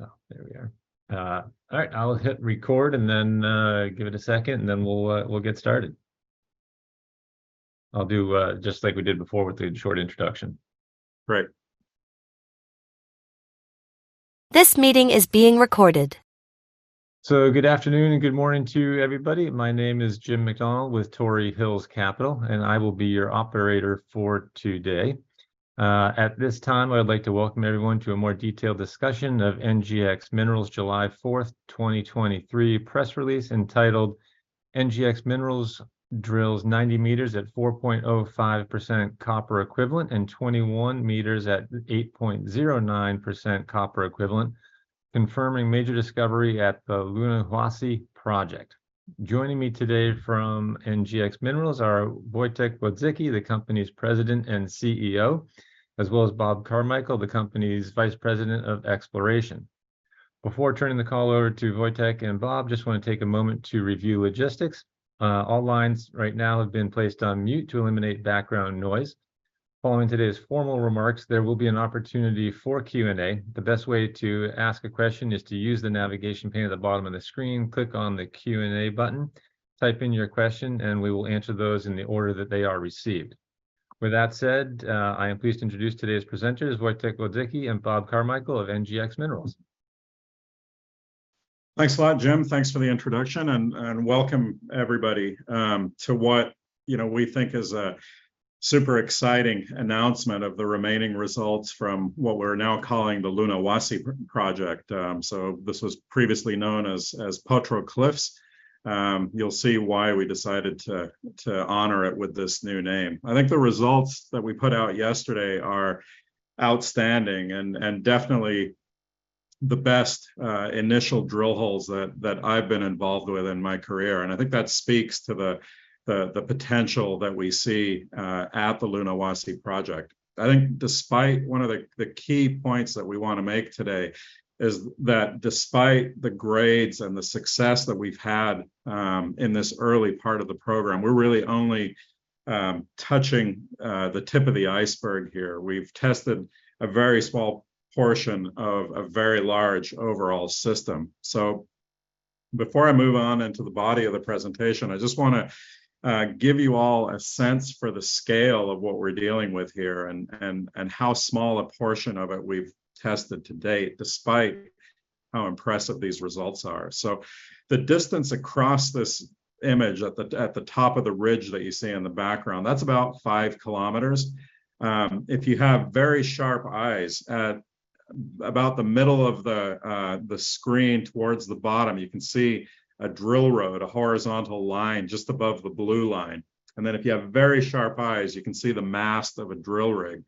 Oh, there we are. All right, I'll hit record, and then, give it a second, and then we'll get started. I'll do just like we did before with the short introduction. Good afternoon and good morning to everybody. My name is Jim Macdonald with Torrey Hills Capital, and I will be your operator for today. At this time, I'd like to welcome everyone to a more detailed discussion of NGEx Minerals July 4th, 2023, press release, entitled "NGEx Minerals Drills 90 meters at 4.05% copper equivalent and 21 meters at 8.09% copper equivalent, confirming major discovery at the Lunahuasi Project." Joining me today from NGEx Minerals are Wojtek Wodzicki, the company's President and CEO, as well as Bob Carmichael, the company's Vice President of Exploration. Before turning the call over to Wojtek and Bob, just want to take a moment to review logistics. All lines right now have been placed on mute to eliminate background noise. Following today's formal remarks, there will be an opportunity for Q&A. The best way to ask a question is to use the navigation pane at the bottom of the screen, click on the Q&A button, type in your question, and we will answer those in the order that they are received. With that said, I am pleased to introduce today's presenters, Wojtek Wodzicki and Bob Carmichael of NGEx Minerals. Thanks a lot, Jim. Thanks for the introduction, and welcome, everybody, to what, you know, we think is a super exciting announcement of the remaining results from what we're now calling the Lunahuasi Project. This was previously known as Potro Cliffs. You'll see why we decided to honor it with this new name. I think the results that we put out yesterday are outstanding and definitely the best initial drill holes that I've been involved with in my career, and I think that speaks to the potential that we see at the Lunahuasi Project. I think despite one of the key points that we want to make today is that despite the grades and the success that we've had in this early part of the program, we're really only touching the tip of the iceberg here. We've tested a very small portion of a very large overall system. Before I move on into the body of the presentation, I just want to give you all a sense for the scale of what we're dealing with here and how small a portion of it we've tested to date, despite how impressive these results are. The distance across this image at the top of the ridge that you see in the background, that's about 5 km. If you have very sharp eyes, at about the middle of the screen towards the bottom, you can see a drill road, a horizontal line just above the blue line. If you have very sharp eyes, you can see the mast of a drill rig,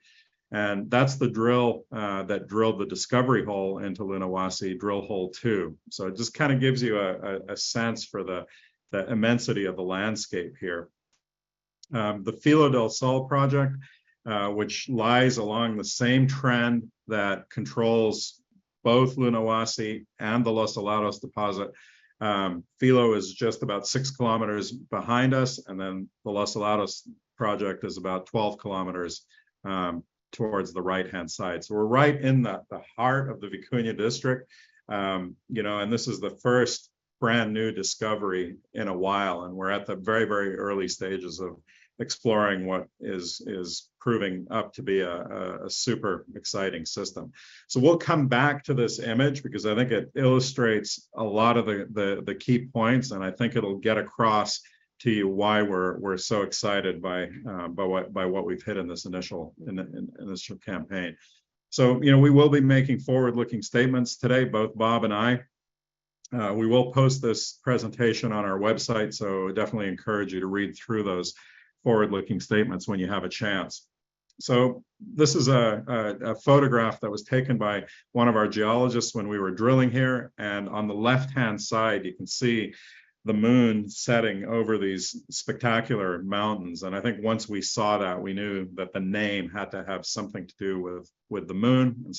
and that's the drill that drilled the discovery hole into Lunahuasi, drill hole two. It just kind of gives you a sense for the immensity of the landscape here. The Filo del Sol Project, which lies along the same trend that controls both Lunahuasi and the Los Helados deposit, Filo is just about 6 km behind us, and then the Los Helados project is about 12 km towards the right-hand side. We're right in the heart of the Vicuña District. You know, this is the first brand-new discovery in a while, and we're at the very, very early stages of exploring what is proving up to be a super exciting system. We'll come back to this image because I think it illustrates a lot of the key points, and I think it'll get across to you why we're so excited by what we've hit in this initial campaign. you know, we will be making forward-looking statements today, both Bob and I. We will post this presentation on our website, so definitely encourage you to read through those forward-looking statements when you have a chance. This is a photograph that was taken by one of our geologists when we were drilling here, and on the left-hand side, you can see the moon setting over these spectacular mountains. I think once we saw that, we knew that the name had to have something to do with the moon.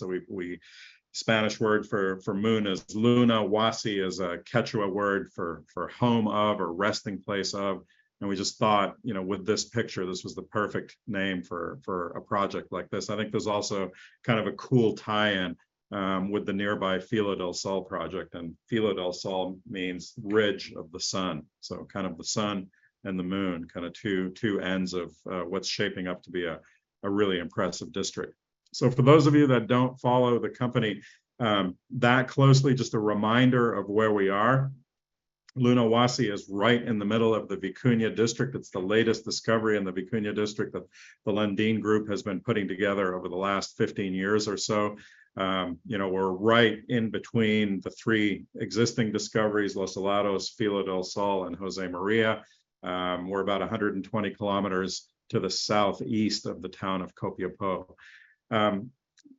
Spanish word for moon is luna. Huasi is a Quechua word for home of or resting place of. We just thought, you know, with this picture, this was the perfect name for a project like this. I think there's also kind of a cool tie-in with the nearby Filo del Sol Project, and Filo del Sol means Ridge of the Sun. Kind of the sun and the moon, kind of two ends of what's shaping up to be a really impressive district. For those of you that don't follow the company that closely, just a reminder of where we are. Lunahuasi is right in the middle of the Vicuña District. It's the latest discovery in the Vicuña District that the Lundin Group has been putting together over the last 15 years or so. You know, we're right in between the three existing discoveries, Los Helados, Filo del Sol, and Josemaria. We're about 120 km to the southeast of the town of Copiapó.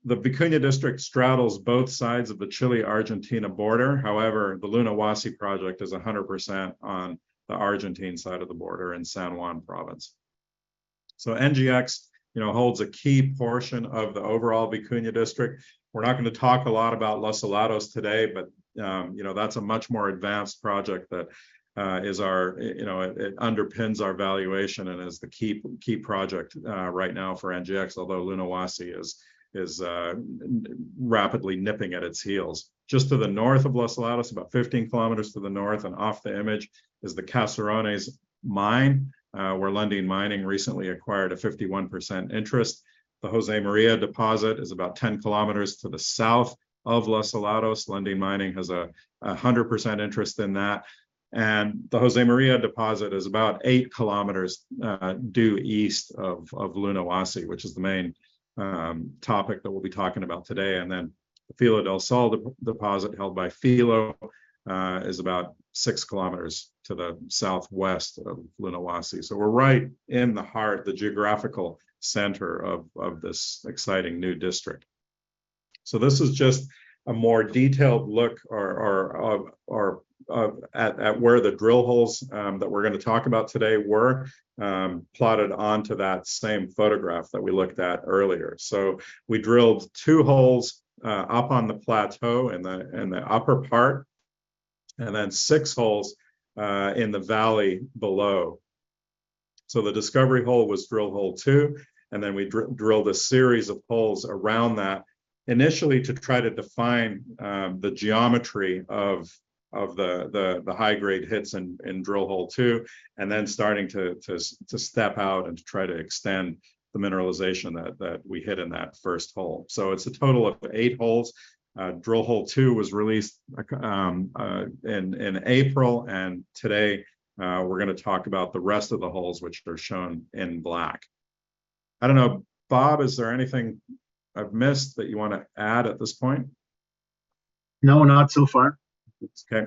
The Vicuña District straddles both sides of the Chile-Argentina border. However, the Lunahuasi project is 100% on the Argentine side of the border in San Juan Province. NGEx, you know, holds a key portion of the overall Vicuña District. We're not gonna talk a lot about Los Helados today, but, you know, that's a much more advanced project that underpins our valuation and is the key project right now for NGEx, although Lunahuasi is rapidly nipping at its heels. Just to the north of Los Helados, about 15 km to the north and off the image, is the Caserones mine, where Lundin Mining recently acquired a 51% interest. The Josemaria deposit is about 10 km to the south of Los Helados. Lundin Mining has a 100% interest in that. The Josemaria deposit is about 8 km due east of Lunahuasi, which is the main topic that we'll be talking about today. Filo del Sol deposit, held by Filo, is about 6 km to the southwest of Lunahuasi. We're right in the heart, the geographical center of this exciting new district. This is just a more detailed look or of where the drill holes that we're gonna talk about today were plotted onto that same photograph that we looked at earlier. We drilled two holes up on the plateau in the upper part, and then six holes in the valley below. The discovery hole was drill hole two, and then we drilled a series of holes around that, initially to try to define the geometry of the high-grade hits in drill hole two, and then starting to step out and to try to extend the mineralization that we hit in that first hole. It's a total of eight holes. Drill hole two was released in April, and today, we're gonna talk about the rest of the holes, which are shown in black. I don't know, Bob, is there anything I've missed that you want to add at this point? No, not so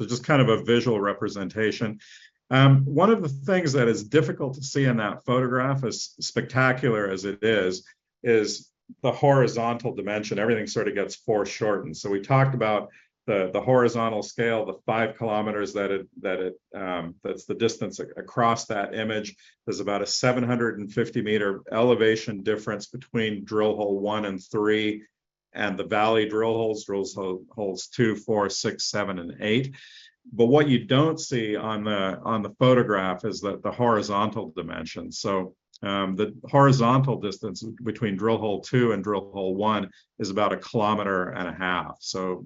far. Okay. Just kind of a visual representation. One of the things that is difficult to see in that photograph, as spectacular as it is the horizontal dimension. Everything sort of gets foreshortened. We talked about the horizontal scale, the 5 km that it, that it, that's the distance across that image. There's about a 750 m elevation difference between drill hole one and three, and the valley drill holes two, four, six, seven and eight. What you don't see on the, on the photograph is the horizontal dimension. The horizontal distance between drill hole two and drill hole one is about 1.5 km, so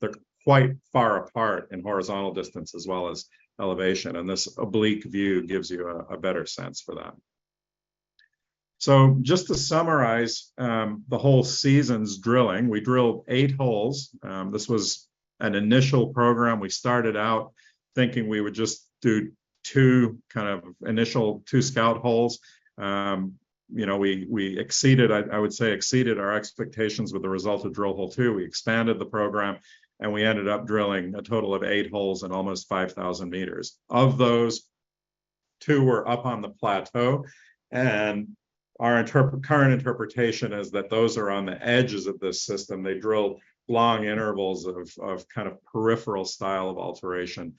they're quite far apart in horizontal distance as well as elevation, and this oblique view gives you a better sense for that. Just to summarize, the whole season's drilling, we drilled eight holes. This was an initial program. We started out thinking we would just do two kind of initial, two scout holes. You know, we exceeded, I would say, exceeded our expectations with the result of drill hole two. We expanded the program, we ended up drilling a total of eight holes and almost 5,000 m. Of those, two were up on the plateau, our current interpretation is that those are on the edges of this system. They drilled long intervals of kind of peripheral style of alteration.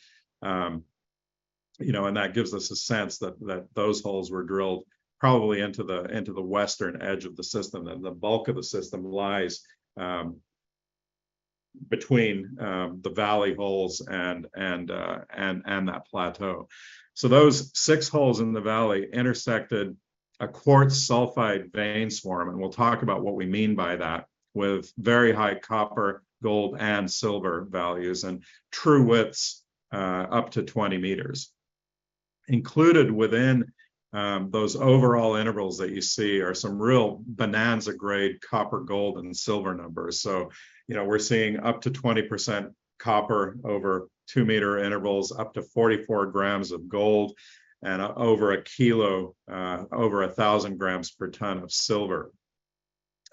You know, that gives us a sense that those holes were drilled probably into the western edge of the system, and the bulk of the system lies between the valley holes and that plateau. Those six holes in the valley intersected a quartz sulfide vein swarm, and we'll talk about what we mean by that, with very high copper, gold, and silver values, and true widths up to 20 m. Included within those overall intervals that you see are some real bonanza-grade copper, gold, and silver numbers. You know, we're seeing up to 20% copper over 2 m intervals, up to 44 g of gold, and over 1 kg, over 1,000 g per ton of silver.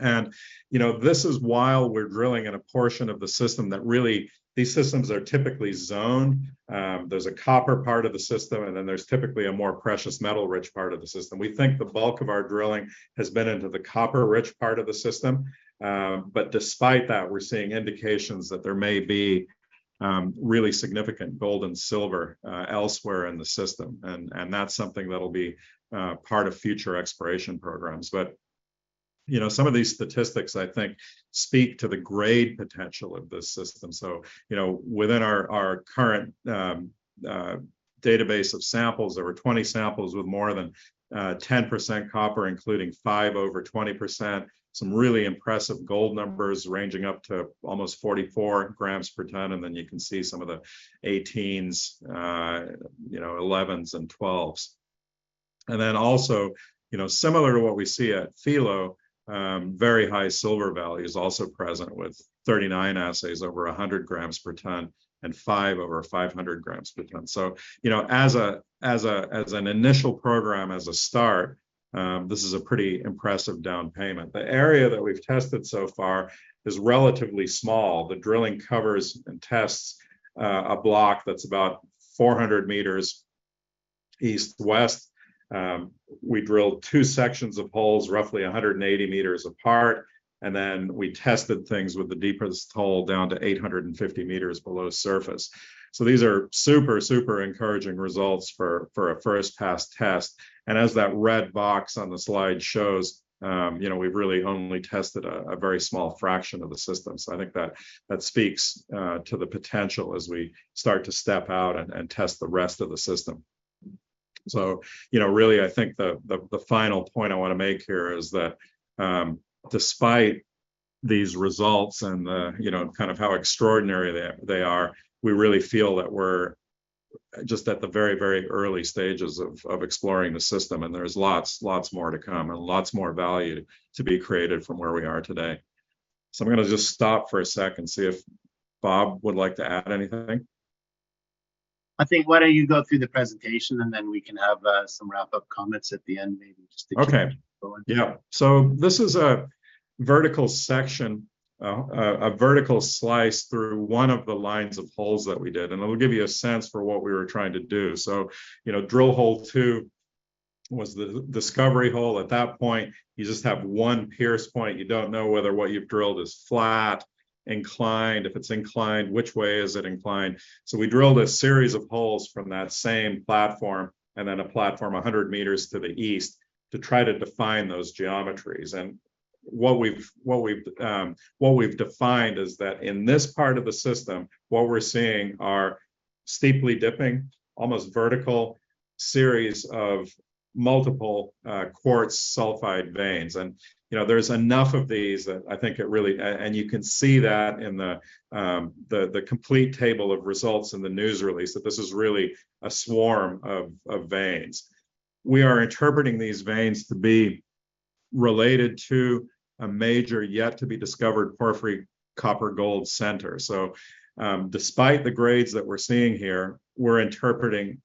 You know, this is while we're drilling in a portion of the system that really... These systems are typically zoned. There's a copper part of the system, and then there's typically a more precious metal-rich part of the system. We think the bulk of our drilling has been into the copper-rich part of the system, but despite that, we're seeing indications that there may be really significant gold and silver elsewhere in the system. That's something that'll be part of future exploration programs. You know, some of these statistics, I think, speak to the grade potential of this system. You know, within our current database of samples, there were 20 samples with more than 10% copper, including five over 20%. Some really impressive gold numbers ranging up to almost 44 g per ton, and then you can see some of the 18s, you know, 11s, and 12s. You know, similar to what we see at Filo, very high silver values also present, with 39 assays over 100 g per ton and five over 500 g per ton. You know, as a, as a, as an initial program, as a start, this is a pretty impressive down payment. The area that we've tested so far is relatively small. The drilling covers and tests a block that's about 400 m east to west, we drilled two sections of holes roughly 180 m apart, and then we tested things with the deepest hole down to 850 m below surface. These are super encouraging results for a first pass test. As that red box on the slide shows, you know, we've really only tested a very small fraction of the system. I think that speaks to the potential as we start to step out and test the rest of the system. You know, really, I think the final point I wanna make here is that, despite these results and the, you know, kind of how extraordinary they are, we really feel that we're just at the very, very early stages of exploring the system, and there's lots more to come and lots more value to be created from where we are today. I'm gonna just stop for a second, see if Bob would like to add anything. I think why don't you go through the presentation, and then we can have some wrap-up comments at the end, maybe just to keep going. Okay. Yeah. This is a vertical section, a vertical slice through one of the lines of holes that we did, and it'll give you a sense for what we were trying to do. You know, drill hole two was the discovery hole. At that point, you just have one pierce point. You don't know whether what you've drilled is flat, inclined. If it's inclined, which way is it inclined? We drilled a series of holes from that same platform, and then a platform 100 m to the east to try to define those geometries. What we've defined is that in this part of the system, what we're seeing are steeply dipping, almost vertical series of multiple quartz sulfide veins. You know, there's enough of these that I think it really... You can see that in the complete table of results in the news release, that this is really a swarm of veins. We are interpreting these veins to be related to a major, yet to be discovered, porphyry copper-gold center. Despite the grades that we're seeing here, we're interpreting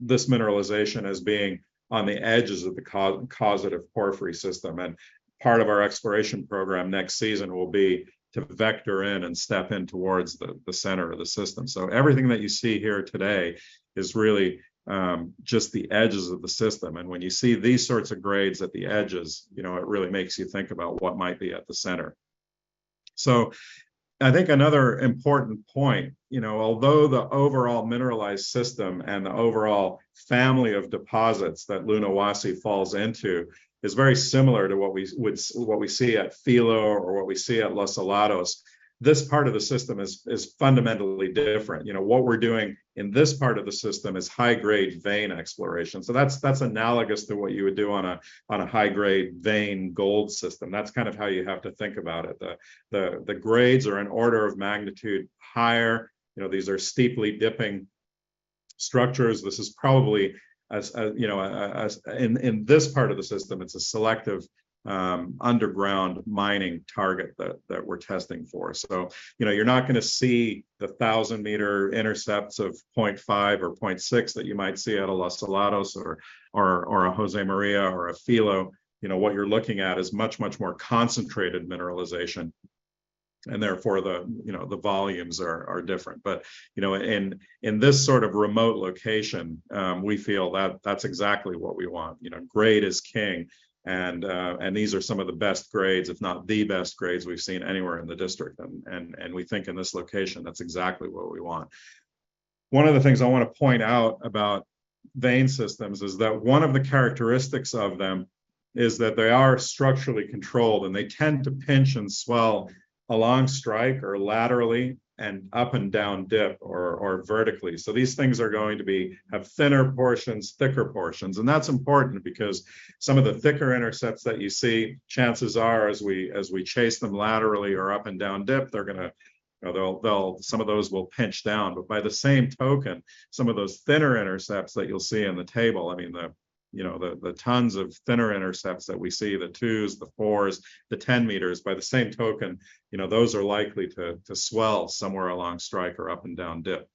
this mineralization as being on the edges of the causative porphyry system. Part of our exploration program next season will be to vector in and step in towards the center of the system. Everything that you see here today is really just the edges of the system, and when you see these sorts of grades at the edges, you know, it really makes you think about what might be at the center. I think another important point, you know, although the overall mineralized system and the overall family of deposits that Lunahuasi falls into is very similar to what we, what we see at Filo or what we see at Los Helados, this part of the system is fundamentally different. You know, what we're doing in this part of the system is high-grade vein exploration. That's analogous to what you would do on a high-grade vein gold system. That's kind of how you have to think about it. The grades are an order of magnitude higher. You know, these are steeply dipping structures. This is probably as, you know, as in this part of the system, it's a selective underground mining target that we're testing for. You're not gonna see the 1,000 m intercepts of 0.5 or 0.6 that you might see at a Los Helados or a Josemaria or a Filo. What you're looking at is much more concentrated mineralization, and therefore, the, you know, the volumes are different. You know, in this sort of remote location, we feel that that's exactly what we want. Grade is king, and these are some of the best grades, if not the best grades we've seen anywhere in the district. We think in this location, that's exactly what we want. One of the things I wanna point out about vein systems is that one of the characteristics of them is that they are structurally controlled, and they tend to pinch and swell along strike or laterally and up and down dip or vertically. These things are going to be have thinner portions, thicker portions, and that's important because some of the thicker intercepts that you see, chances are, as we, as we chase them laterally or up and down dip, they're gonna, they'll some of those will pinch down. By the same token, some of those thinner intercepts that you'll see in the table, I mean, the, you know, the tons of thinner intercepts that we see, the twos, the fours, the 10 m, by the same token, you know, those are likely to swell somewhere along strike or up and down dip.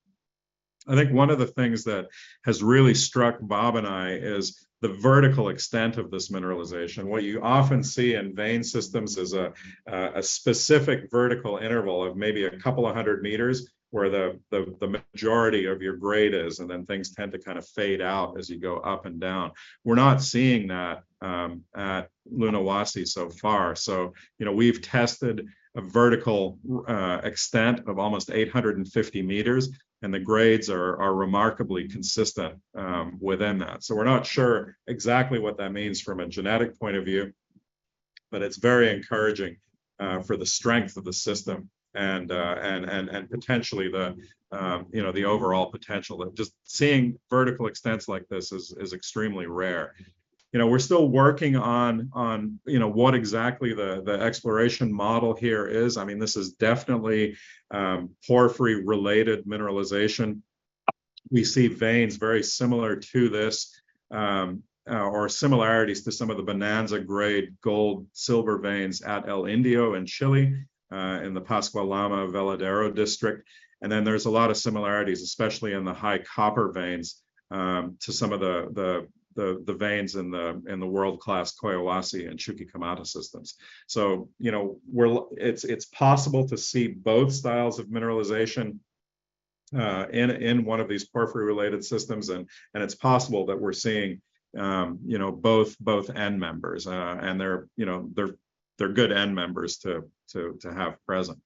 I think one of the things that has really struck Bob and I is the vertical extent of this mineralization. What you often see in vein systems is a specific vertical interval of maybe a couple of hundred meters, where the majority of your grade is, and then things tend to kind of fade out as you go up and down. We're not seeing that at Lunahuasi so far. You know, we've tested a vertical extent of almost 850 m, and the grades are remarkably consistent within that. We're not sure exactly what that means from a genetic point of view, but it's very encouraging for the strength of the system and potentially the, you know, the overall potential. Just seeing vertical extents like this is extremely rare. You know, we're still working on, you know, what exactly the exploration model here is. I mean, this is definitely porphyry-related mineralization. We see veins very similar to this, or similarities to some of the bonanza-grade gold, silver veins at El Indio in Chile, in the Pascua-Lama Veladero district. There's a lot of similarities, especially in the high copper veins, to some of the veins in the world-class Collahuasi and Chuquicamata systems. You know, it's possible to see both styles of mineralization in one of these porphyry-related systems, and it's possible that we're seeing, you know, both end members. They're, you know, they're good end members to have present.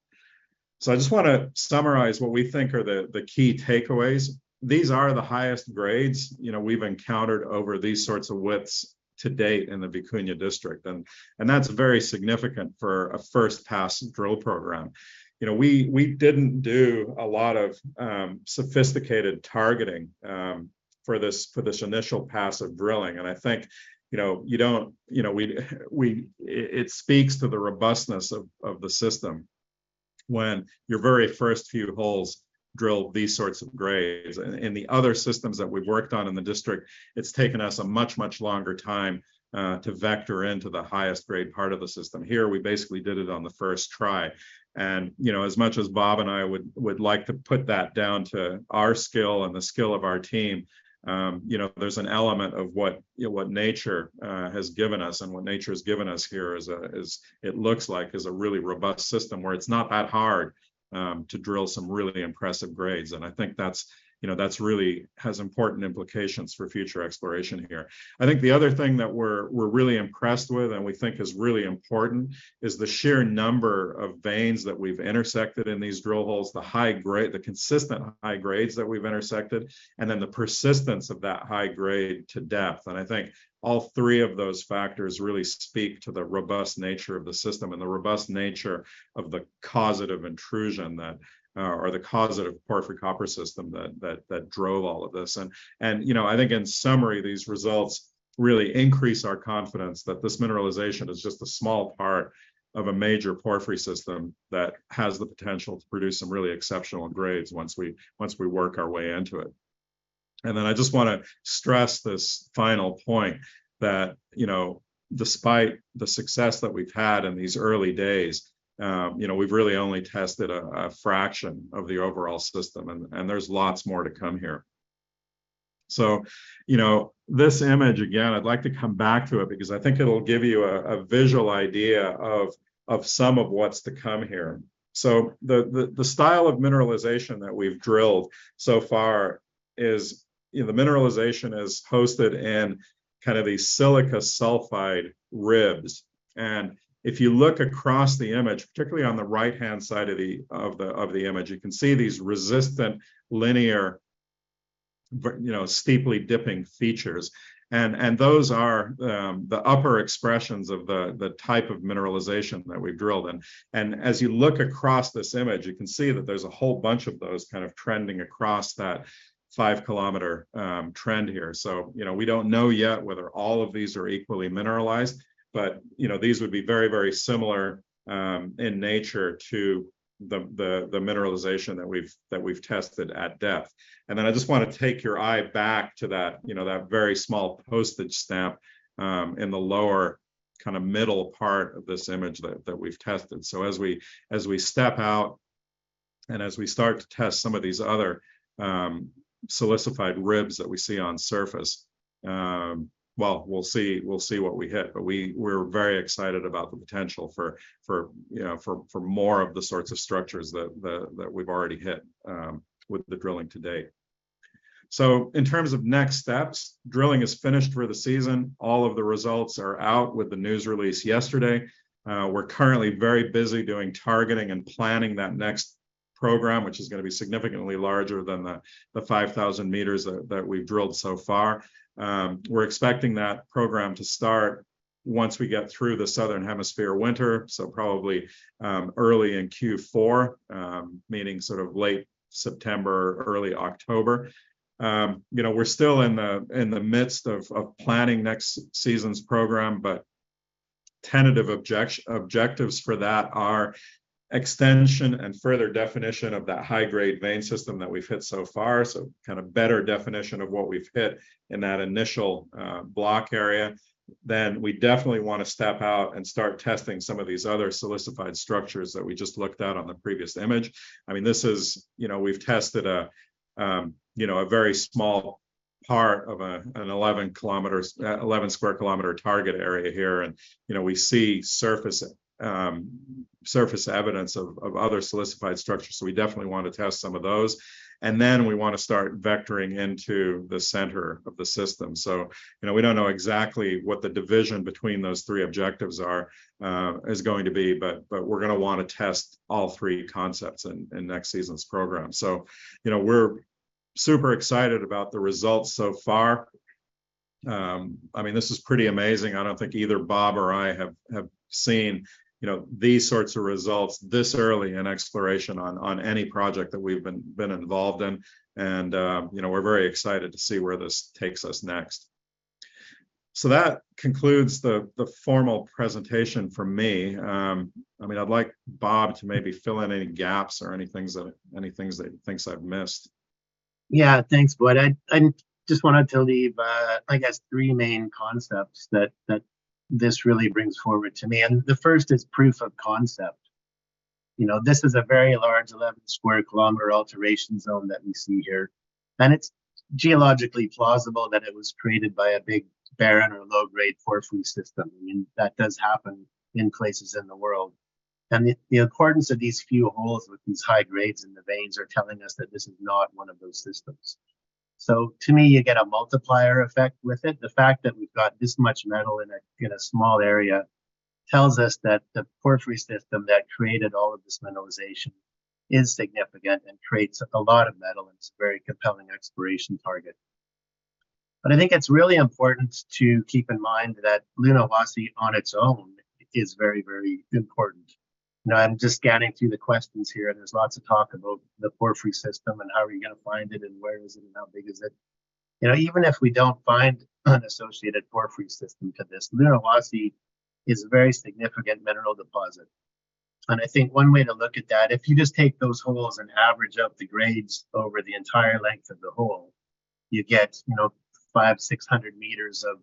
I just wanna summarize what we think are the key takeaways. These are the highest grades, you know, we've encountered over these sorts of widths to date in the Vicuña District. That's very significant for a first-pass drill program. You know, we didn't do a lot of sophisticated targeting for this, for this initial pass of drilling, and I think, you know, we, it speaks to the robustness of the system when your very first few holes drill these sorts of grades. The other systems that we've worked on in the District, it's taken us a much, much longer time to vector into the highest grade part of the system. Here, we basically did it on the first try, and, you know, as much as Bob and I would like to put that down to our skill and the skill of our team, you know, there's an element of what nature has given us. What nature has given us here is a, it looks like, is a really robust system, where it's not that hard, to drill some really impressive grades. I think that's, you know, that's really has important implications for future exploration here. I think the other thing that we're really impressed with, and we think is really important, is the sheer number of veins that we've intersected in these drill holes, the high grade the consistent high grades that we've intersected, and then the persistence of that high grade to depth. I think all three of those factors really speak to the robust nature of the system and the robust nature of the causative intrusion that, or the causative porphyry copper system that drove all of this. You know, I think in summary, these results really increase our confidence that this mineralization is just a small part of a major porphyry system that has the potential to produce some really exceptional grades once we work our way into it. I just wanna stress this final point, that, you know, despite the success that we've had in these early days, you know, we've really only tested a fraction of the overall system, and there's lots more to come here. You know, this image, again, I'd like to come back to it because I think it'll give you a visual idea of some of what's to come here. The style of mineralization that we've drilled so far is. You know, the mineralization is hosted in kind of these silicified ribs. If you look across the image, particularly on the right-hand side of the image, you can see these resistant linear, you know, steeply dipping features, and those are the upper expressions of the type of mineralization that we've drilled in. As you look across this image, you can see that there's a whole bunch of those kind of trending across that 5 km trend here. You know, we don't know yet whether all of these are equally mineralized, but, you know, these would be very, very similar in nature to the mineralization that we've tested at depth. I just wanna take your eye back to that, you know, that very small postage stamp in the lower, kind of middle part of this image that we've tested. As we step out and as we start to test some of these other silicified ribs that we see on surface, well, we'll see what we hit. We're very excited about the potential for, you know, for more of the sorts of structures that we've already hit with the drilling to date. In terms of next steps, drilling is finished for the season. All of the results are out with the news release yesterday. We're currently very busy doing targeting and planning that next program, which is gonna be significantly larger than the 5,000 m that we've drilled so far. We're expecting that program to start once we get through the Southern Hemisphere winter, so probably early in Q4, meaning sort of late September, early October. You know, we're still in the midst of planning next season's program, but tentative objectives for that are extension and further definition of that high-grade vein system that we've hit so far, so kind of better definition of what we've hit in that initial block area. We definitely wanna step out and start testing some of these other silicified structures that we just looked at on the previous image. I mean, this is... You know, we've tested you know, a very small part of an 11 km, 11 km square target area here, and you know, we see surface evidence of silicified structures, so we didn't definitely want to test some of those. Then we wanna start vectoring into the center of the system. You know, we don't know exactly what the division between those three objectives are, is going to be, but we're gonna wanna test all three concepts in next season's program. You know, we're super excited about the results so far. I mean, this is pretty amazing I don't think either Bob or I have seen, you know, these sorts of results this early in exploration on any project that we've been involved in, and, you know, we're very excited to see where this takes us next. That concludes the formal presentation from me. I mean, I'd like Bob to maybe fill in any gaps or any things that he thinks I've missed. Thanks, Bud. I just want to leave, I guess, three main concepts that this really brings forward to me. The first is proof of concept. You know, this is a very large 11 km square alteration zone that we see here. It's geologically plausible that it was created by a big barren or low-grade porphyry system. I mean, that does happen in places in the world. The, the accordance of these few holes with these high grades in the veins are telling us that this is not one of those systems. To me, you get a multiplier effect with it. The fact that we've got this much metal in a, in a small area tells us that the porphyry system that created all of this mineralization is significant, and creates a lot of metal, and it's a very compelling exploration target. I think it's really important to keep in mind that Lunahuasi, on its own, is very, very important. I'm just scanning through the questions here, and there's lots of talk about the porphyry system, and how are you gonna find it, and where is it, and how big is it? You know, even if we don't find an associated porphyry system to this, Lunahuasi is a very significant mineral deposit. I think one way to look at that, if you just take those holes and average out the grades over the entire length of the hole, you get, you know, 5, 600 m of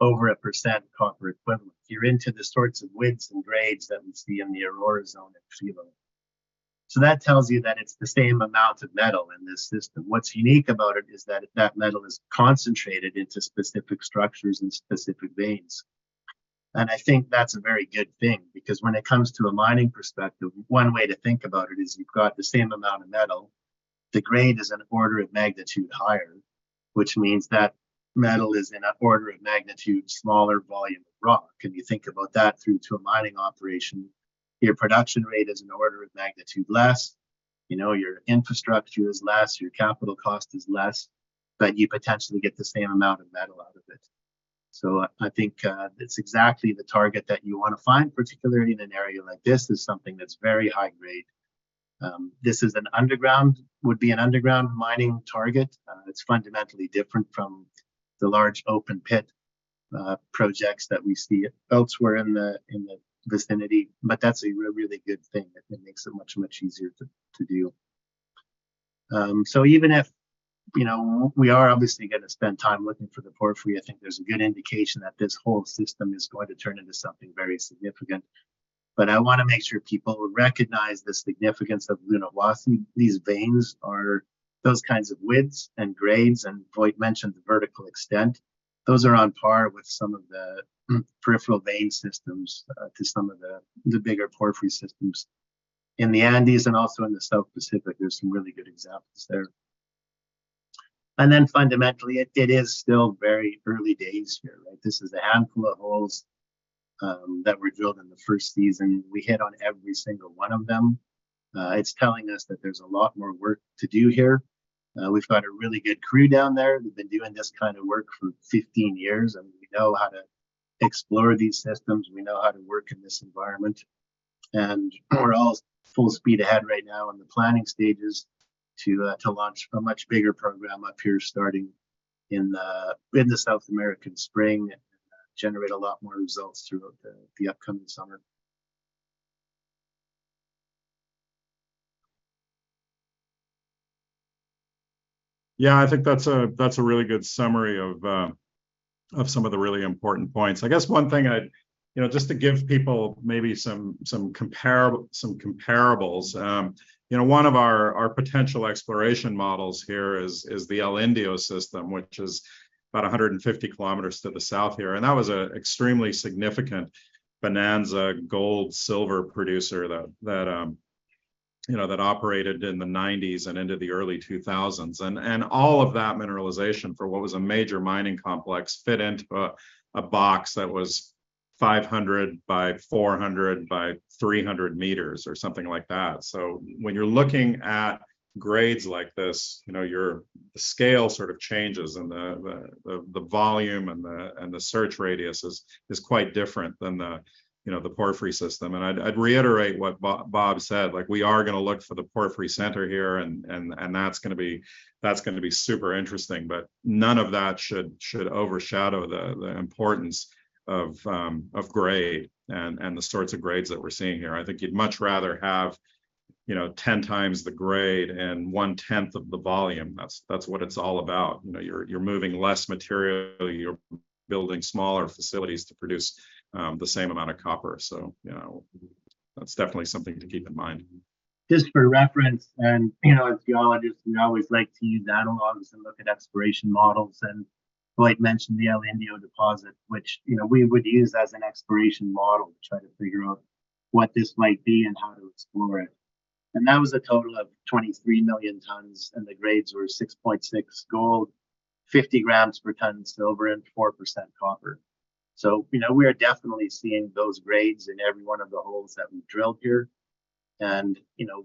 over a percent copper equivalent. You're into the sorts of widths and grades that we see in the Aurora Zone at Filo. That tells you that it's the same amount of metal in this system. What's unique about it is that that metal is concentrated into specific structures and specific veins. I think that's a very good thing, because when it comes to a mining perspective, one way to think about it is you've got the same amount of metal. The grade is an order of magnitude higher, which means that metal is in an order of magnitude, smaller volume of rock. You think about that through to a mining operation, your production rate is an order of magnitude less, you know, your infrastructure is less, your capital cost is less, but you potentially get the same amount of metal out of it. I think that's exactly the target that you wanna find, particularly in an area like this, is something that's very high grade. This would be an underground mining target. It's fundamentally different from the large open pit projects that we see elsewhere in the, in the vicinity, but that's a really good thing. It makes it much easier to do. So even if, you know, we are obviously gonna spend time looking for the porphyry, I think there's a good indication that this whole system is going to turn into something very significant. I wanna make sure people recognize the significance of Lunahuasi. These veins are those kinds of widths and grades, Wojtek mentioned the vertical extent. Those are on par with some of the peripheral vein systems to some of the bigger porphyry systems in the Andes and also in the South Pacific. There's some really good examples there. Then fundamentally, it is still very early days here, right? This is the fan holes, that were drilled in the first season. We hit on every single one of them. It's telling us that there's a lot more work to do here. We've got a really good crew down there. We've been doing this kind of work for 15 years, and we know how to explore these systems, we know how to work in this environment, and we're all full speed ahead right now in the planning stages to launch a much bigger program up here, starting in the South American spring, and generate a lot more results throughout the upcoming summer. Yeah, I think that's a really good summary of some of the really important points. I guess one thing. You know, just to give people maybe some comparables. You know, one of our potential exploration models here is the El Indio system, which is about 150 km to the south here. That was a extremely significant bonanza gold, silver producer that, you know, that operated in the 90s and into the early 2000s. All of that mineralization for what was a major mining complex, fit into a box that was 500 by 400 by 300 m or something like that. When you're looking at grades like this, you know, your scale sort of changes and the volume and the search radius is quite different than the, you know, the porphyry system. I'd reiterate what Bob said, like, we are gonna look for the porphyry center here, and that's gonna be super interesting, but none of that should overshadow the importance of grade and the sorts of grades that we're seeing here. I think you'd much rather have, you know, 10x the grade and one-tenth of the volume. That's, that's what it's all about. You know, you're moving less material, you're building smaller facilities to produce the same amount of copper. You know, that's definitely something to keep in mind. Just for reference, and, you know, as geologists, we always like to use analogs and look at exploration models. Wojtek mentioned the El Indio deposit, which, you know, we would use as an exploration model to try to figure out what this might be and how to explore it, and that was a total of 23 million tons, and the grades were 6.6 gold, 50 g per ton silver, and 4% copper. You know, we are definitely seeing those grades in every one of the holes that we've drilled here. You know,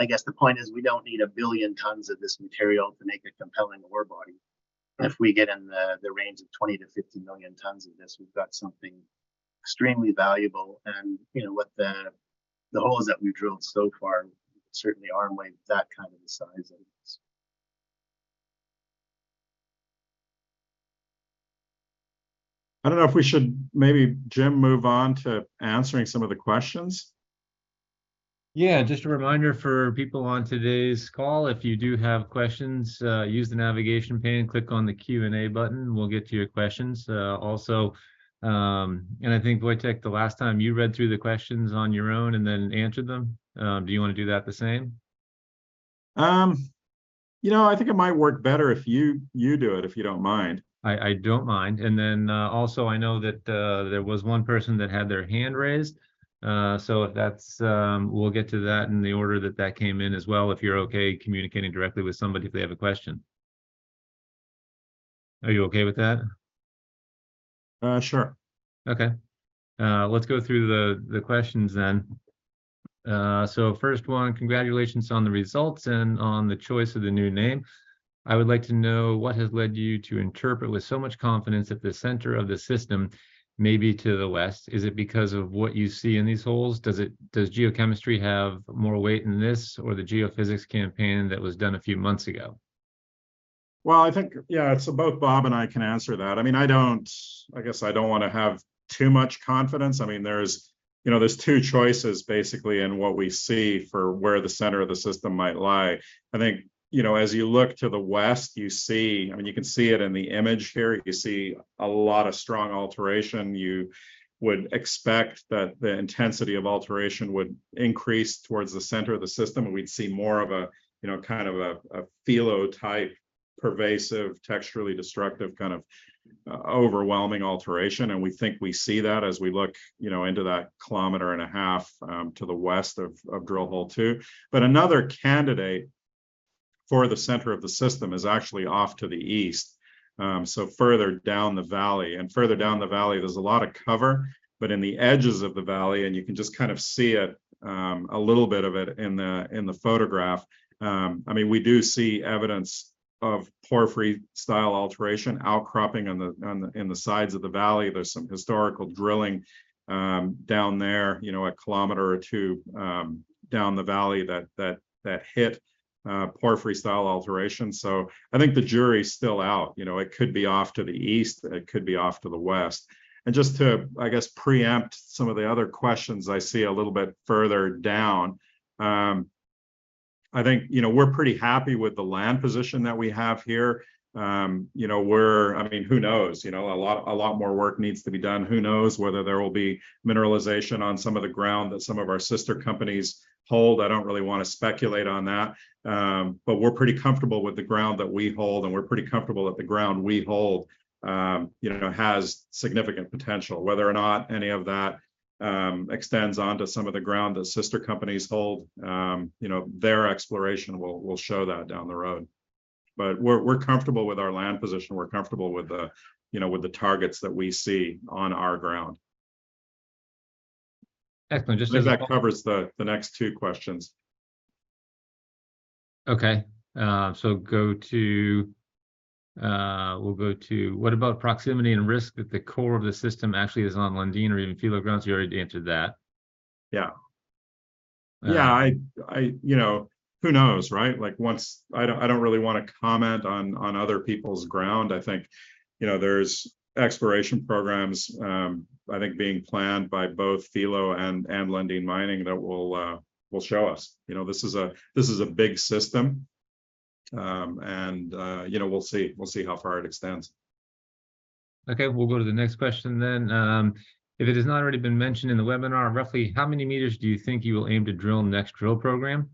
I guess the point is, we don't need 1 billion tons of this material to make a compelling ore body. If we get in the range of 20-50 million tons of this, we've got something extremely valuable. You know, with the holes that we've drilled so far, certainly are on the way to that kind of the size of this. I don't know if we should maybe, Jim, move on to answering some of the questions? Yeah, just a reminder for people on today's call, if you do have questions, use the navigation pane, click on the Q&A button, we'll get to your questions. Also, I think, Wojtek, the last time you read through the questions on your own and then answered them. Do you wanna do that the same? You know, I think it might work better if you do it, if you don't mind. I don't mind. Also I know that there was one person that had their hand raised. If that's, we'll get to that in the order that that came in as well, if you're okay communicating directly with somebody if they have a question. Are you okay with that? Sure. Okay. Let's go through the questions then. First one, congratulations on the results and on the choice of the new name. I would like to know what has led you to interpret with so much confidence that the center of the system may be to the west? Is it because of what you see in these holes? Does geochemistry have more weight in this or the geophysics campaign that was done a few months ago? Well, I think, yeah, so both Bob and I can answer that. I mean, I don't. I guess I don't want to have too much confidence. I mean, there's, you know, there's two choices basically in what we see for where the center of the system might lie. I think, you know, as you look to the west, you see, I mean, you can see it in the image here, you see a lot of strong alteration. You would expect that the intensity of alteration would increase towards the center of the system, and we'd see more of a, you know, kind of a Filo type, pervasive, texturally destructive, kind of overwhelming alteration. We think we see that as we look, you know, into that 1.5 km to the west of drill hole two. Another candidate for the center of the system is actually off to the east. Further down the valley, and further down the valley, there's a lot of cover, but in the edges of the valley, and you can just kind of see it, a little bit of it in the photograph. I mean, we do see evidence of porphyry-style alteration outcropping on the, in the sides of the valley. There's some historical drilling down there, you know, 1 km or 2 km down the valley that hit porphyry-style alteration. I think the jury is still out. You know, it could be off to the east, it could be off to the west. Just to, I guess, preempt some of the other questions I see a little bit further down, I think, you know, we're pretty happy with the land position that we have here. You know, I mean, who knows? You know, a lot more work needs to be done. Who knows whether there will be mineralization on some of the ground that some of our sister companies hold? I don't really want to speculate on that. We're pretty comfortable with the ground that we hold, and we're pretty comfortable that the ground we hold, you know, has significant potential. Whether or not any of that, extends onto some of the ground that sister companies hold, you know, their exploration will show that down the road. We're comfortable with our land position. We're comfortable with the, you know, with the targets that we see on our ground. Excellent. That covers the next two questions. Okay, we'll go to: What about proximity and risk if the core of the system actually is on Lundin or even Filo grounds? You already answered that. Yeah. Yeah, I You know, who knows, right? Like, I don't really want to comment on other people's ground. I think, you know, there's exploration programs, I think being planned by both Filo and Lundin Mining that will show us. You know, this is a big system, you know, we'll see. We'll see how far it extends. We'll go to the next question. If it has not already been mentioned in the webinar, roughly how many meters do you think you will aim to drill next drill program?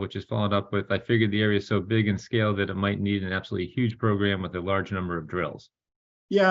Which is followed up with, "I figured the area is so big in scale that it might need an absolutely huge program with a large number of drills." You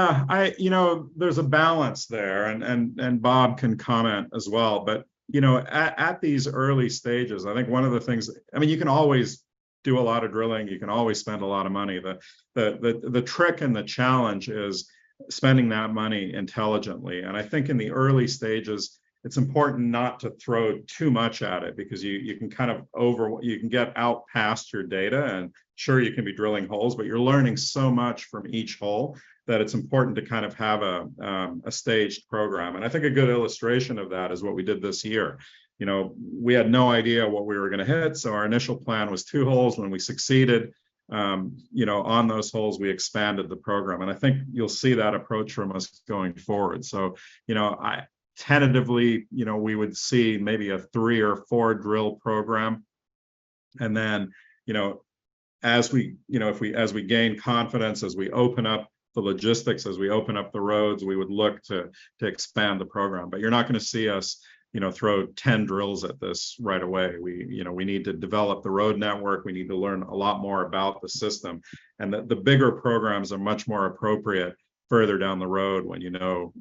know, there's a balance there, and Bob can comment as well. You know, at these early stages, I think one of the things, I mean, you can always do a lot of drilling, you can always spend a lot of money, but the trick and the challenge is spending that money intelligently. I think in the early stages, it's important not to throw too much at it, because you can kind of get out past your data. Sure, you can be drilling holes, but you're learning so much from each hole that it's important to kind of have a staged program. I think a good illustration of that is what we did this year. You know, we had no idea what we were gonna hit, so our initial plan was two holes. When we succeeded, you know, on those holes, we expanded the program, and I think you'll see that approach from us going forward. You know, tentatively, you know, we would see maybe a three or four drill program. Then, you know, as we gain confidence, as we open up the logistics, as we open up the roads, we would look to expand the program. You're not gonna see us, you know, throw 10 drills at this right away. We, you know, we need to develop the road network, we need to learn a lot more about the system. The, the bigger programs are much more appropriate further down the road when you know,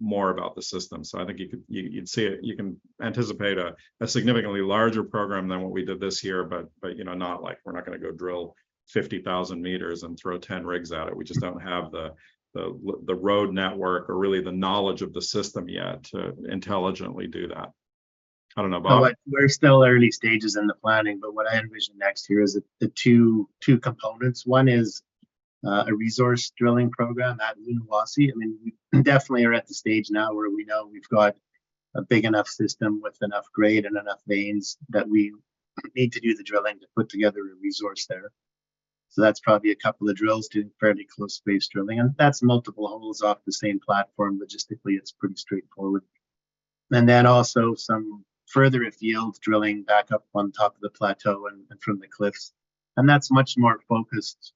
more about the system. I think you'd see it. You can anticipate a significantly larger program than what we did this year, but, you know, not like we're not gonna go drill 50,000 m and throw 10 rigs at it. We just don't have the road network or really the knowledge of the system yet to intelligently do that. I don't know, Bob. We're still early stages in the planning, but what I envision next here is the two components. One is a resource drilling program at Lunahuasi. I mean, we definitely are at the stage now where we know we've got a big enough system with enough grade and enough veins that we need to do the drilling to put together a resource there. That's probably a couple of drills doing fairly close-spaced drilling, and that's multiple holes off the same platform. Logistically, it's pretty straightforward. Also some further afield drilling back up on top of the plateau and from the cliffs, and that's much more focused,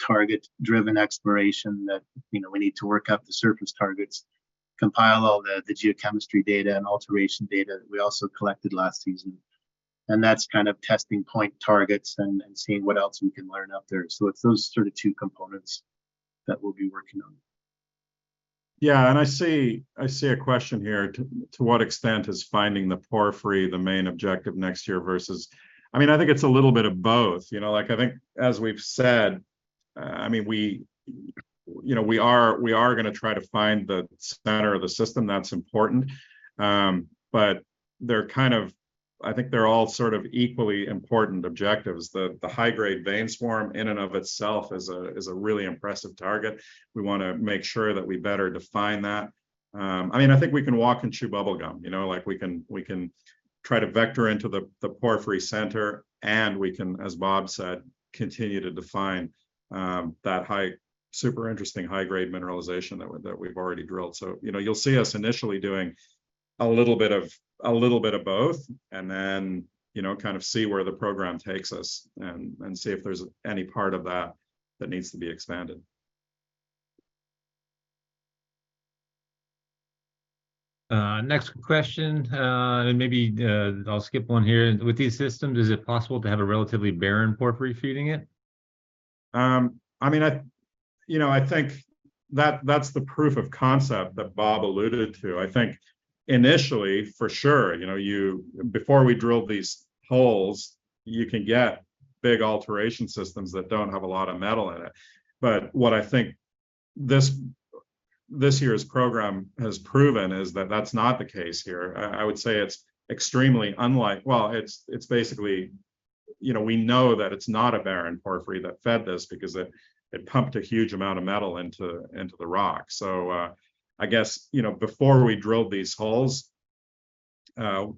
target-driven exploration that, you know, we need to compile all the geochemistry data and alteration data that we also collected last season. That's kind of testing point targets and seeing what else we can learn out there. It's those sort of two components that we'll be working on. Yeah, I see a question here: To what extent is finding the porphyry the main objective next year versus... I mean, I think it's a little bit of both. You know, like, I think, as we've said, I mean, we, you know, we are gonna try to find the center of the system. That's important. I think they're all sort of equally important objectives. The high-grade vein swarm in and of itself is a really impressive target. We wanna make sure that we better define that. I mean, I think we can walk and chew bubblegum. You know, like, we can try to vector into the porphyry center, and we can, as Bob said, continue to define super interesting high-grade mineralization that we're, that we've already drilled. You know, you'll see us initially doing a little bit of both, and then, you know, kind of see where the program takes us, and see if there's any part of that that needs to be expanded. Next question. Maybe, I'll skip one here. "With these systems, is it possible to have a relatively barren porphyry feeding it? I mean, you know, I think that's the proof of concept that Bob alluded to. I think initially, for sure, you know, before we drilled these holes, you can get big alteration systems that don't have a lot of metal in it. What I think this year's program has proven is that that's not the case here. I would say it's extremely Well, it's basically, you know, we know that it's not a barren porphyry that fed this, because it pumped a huge amount of metal into the rock. I guess, you know, before we drilled these holes,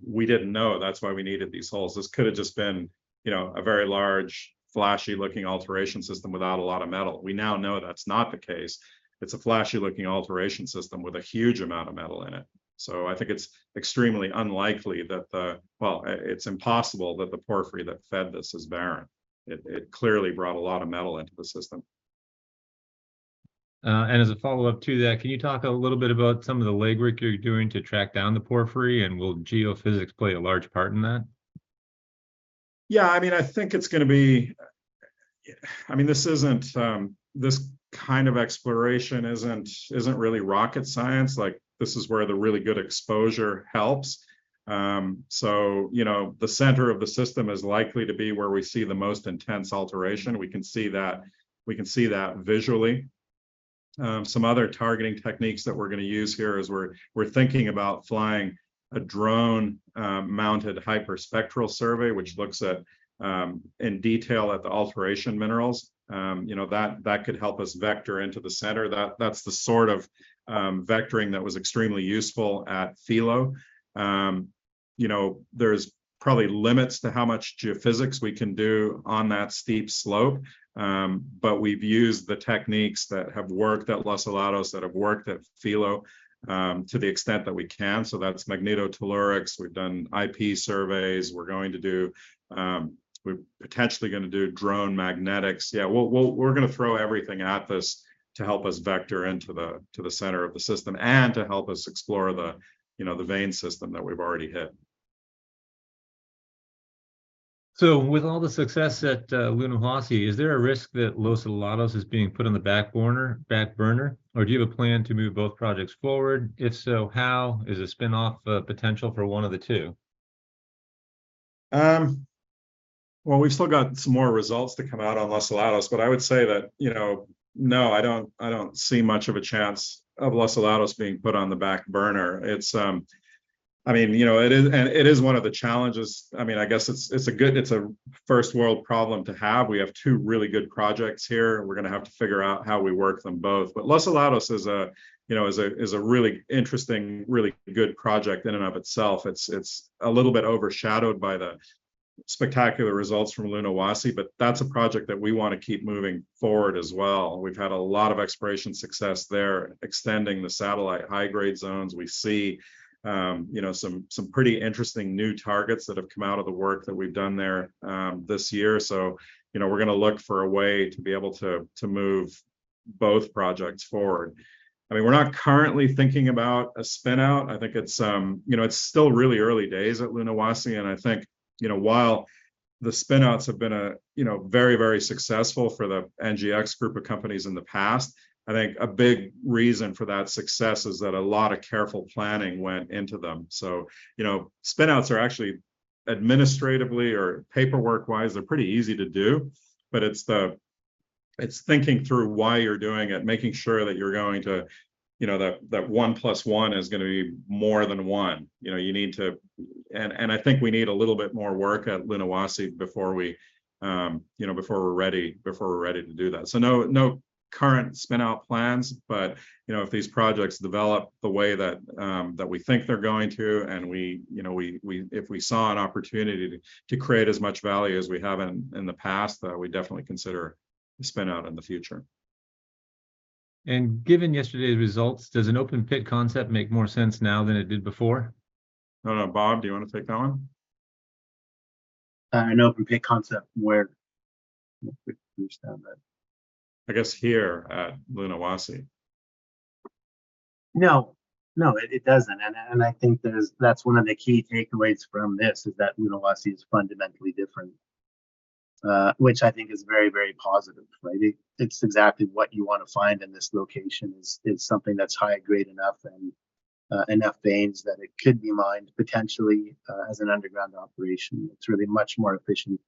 we didn't know. That's why we needed these holes. This could've just been, you know, a very large, flashy-looking alteration system without a lot of metal. We now know that's not the case. It's a flashy-looking alteration system with a huge amount of metal in it. It's impossible that the porphyry that fed this is barren. It clearly brought a lot of metal into the system. As a follow-up to that, can you talk a little bit about some of the legwork you're doing to track down the porphyry, and will geophysics play a large part in that? Yeah, I mean, I think it's gonna be. This kind of exploration isn't really rocket science. Like, this is where the really good exposure helps. You know, the center of the system is likely to be where we see the most intense alteration. We can see that visually. Some other targeting techniques that we're gonna use here, we're thinking about flying a drone mounted hyperspectral survey, which looks at in detail at the alteration minerals. You know, that could help us vector into the center. That's the sort of vectoring that was extremely useful at Filo. You know, there's probably limits to how much geophysics we can do on that steep slope. We've used the techniques that have worked at Los Helados, that have worked at Filo, to the extent that we can. That's magnetotellurics. We've done IP surveys. We're potentially gonna do drone magnetics. We're gonna throw everything at this to help us vector into the center of the system and to help us explore the, you know, the vein system that we've already hit. With all the success at Lunahuasi, is there a risk that Los Helados is being put on the back corner, back burner? Or do you have a plan to move both projects forward? If so, how? Is there spin-off potential for one of the two? Well, we've still got some more results to come out on Los Helados, I would say that, you know, I don't see much of a chance of Los Helados being put on the back burner. It's, I mean, you know, it is one of the challenges. I mean, I guess it's a first-world problem to have. We have two really good projects here, we're gonna have to figure out how we work them both. Los Helados is a, you know, is a really interesting, really good project in and of itself. It's a little bit overshadowed by the spectacular results from Lunahuasi, that's a project that we wanna keep moving forward as well. We've had a lot of exploration success there, extending the satellite high-grade zones. We see, you know, some pretty interesting new targets that have come out of the work that we've done there this year. You know, we're gonna look for a way to be able to move both projects forward. I mean, we're not currently thinking about a spin-out. I think it's, you know, it's still really early days at Lunahuasi, and I think, you know, while the spin-outs have been, you know, very successful for the NGEx group of companies in the past, I think a big reason for that success is that a lot of careful planning went into them. You know, spin-outs are actually administratively or paperwork-wise, they're pretty easy to do, it's thinking through why you're doing it, making sure that you're going to... you know, that 1 + 1 is gonna be more than one. You know, you need to... And I think we need a little bit more work at Lunahuasi before we, you know, before we're ready, before we're ready to do that. So no current spin-out plans, but, you know, if these projects develop the way that we think they're going to, and we, you know, we if we saw an opportunity to create as much value as we have in the past, we'd definitely consider a spin-out in the future. Given yesterday's results, does an open-pit concept make more sense now than it did before? I don't know. Bob, do you wanna take that one? I know open pit concept where we understand that. I guess here at Lunahuasi. No, it doesn't, I think that's one of the key takeaways from this, is that Lunahuasi is fundamentally different, which I think is very, very positive, right? It's exactly what you wanna find in this location is something that's high grade enough and enough veins that it could be mined potentially as an underground operation. It's really much more efficient,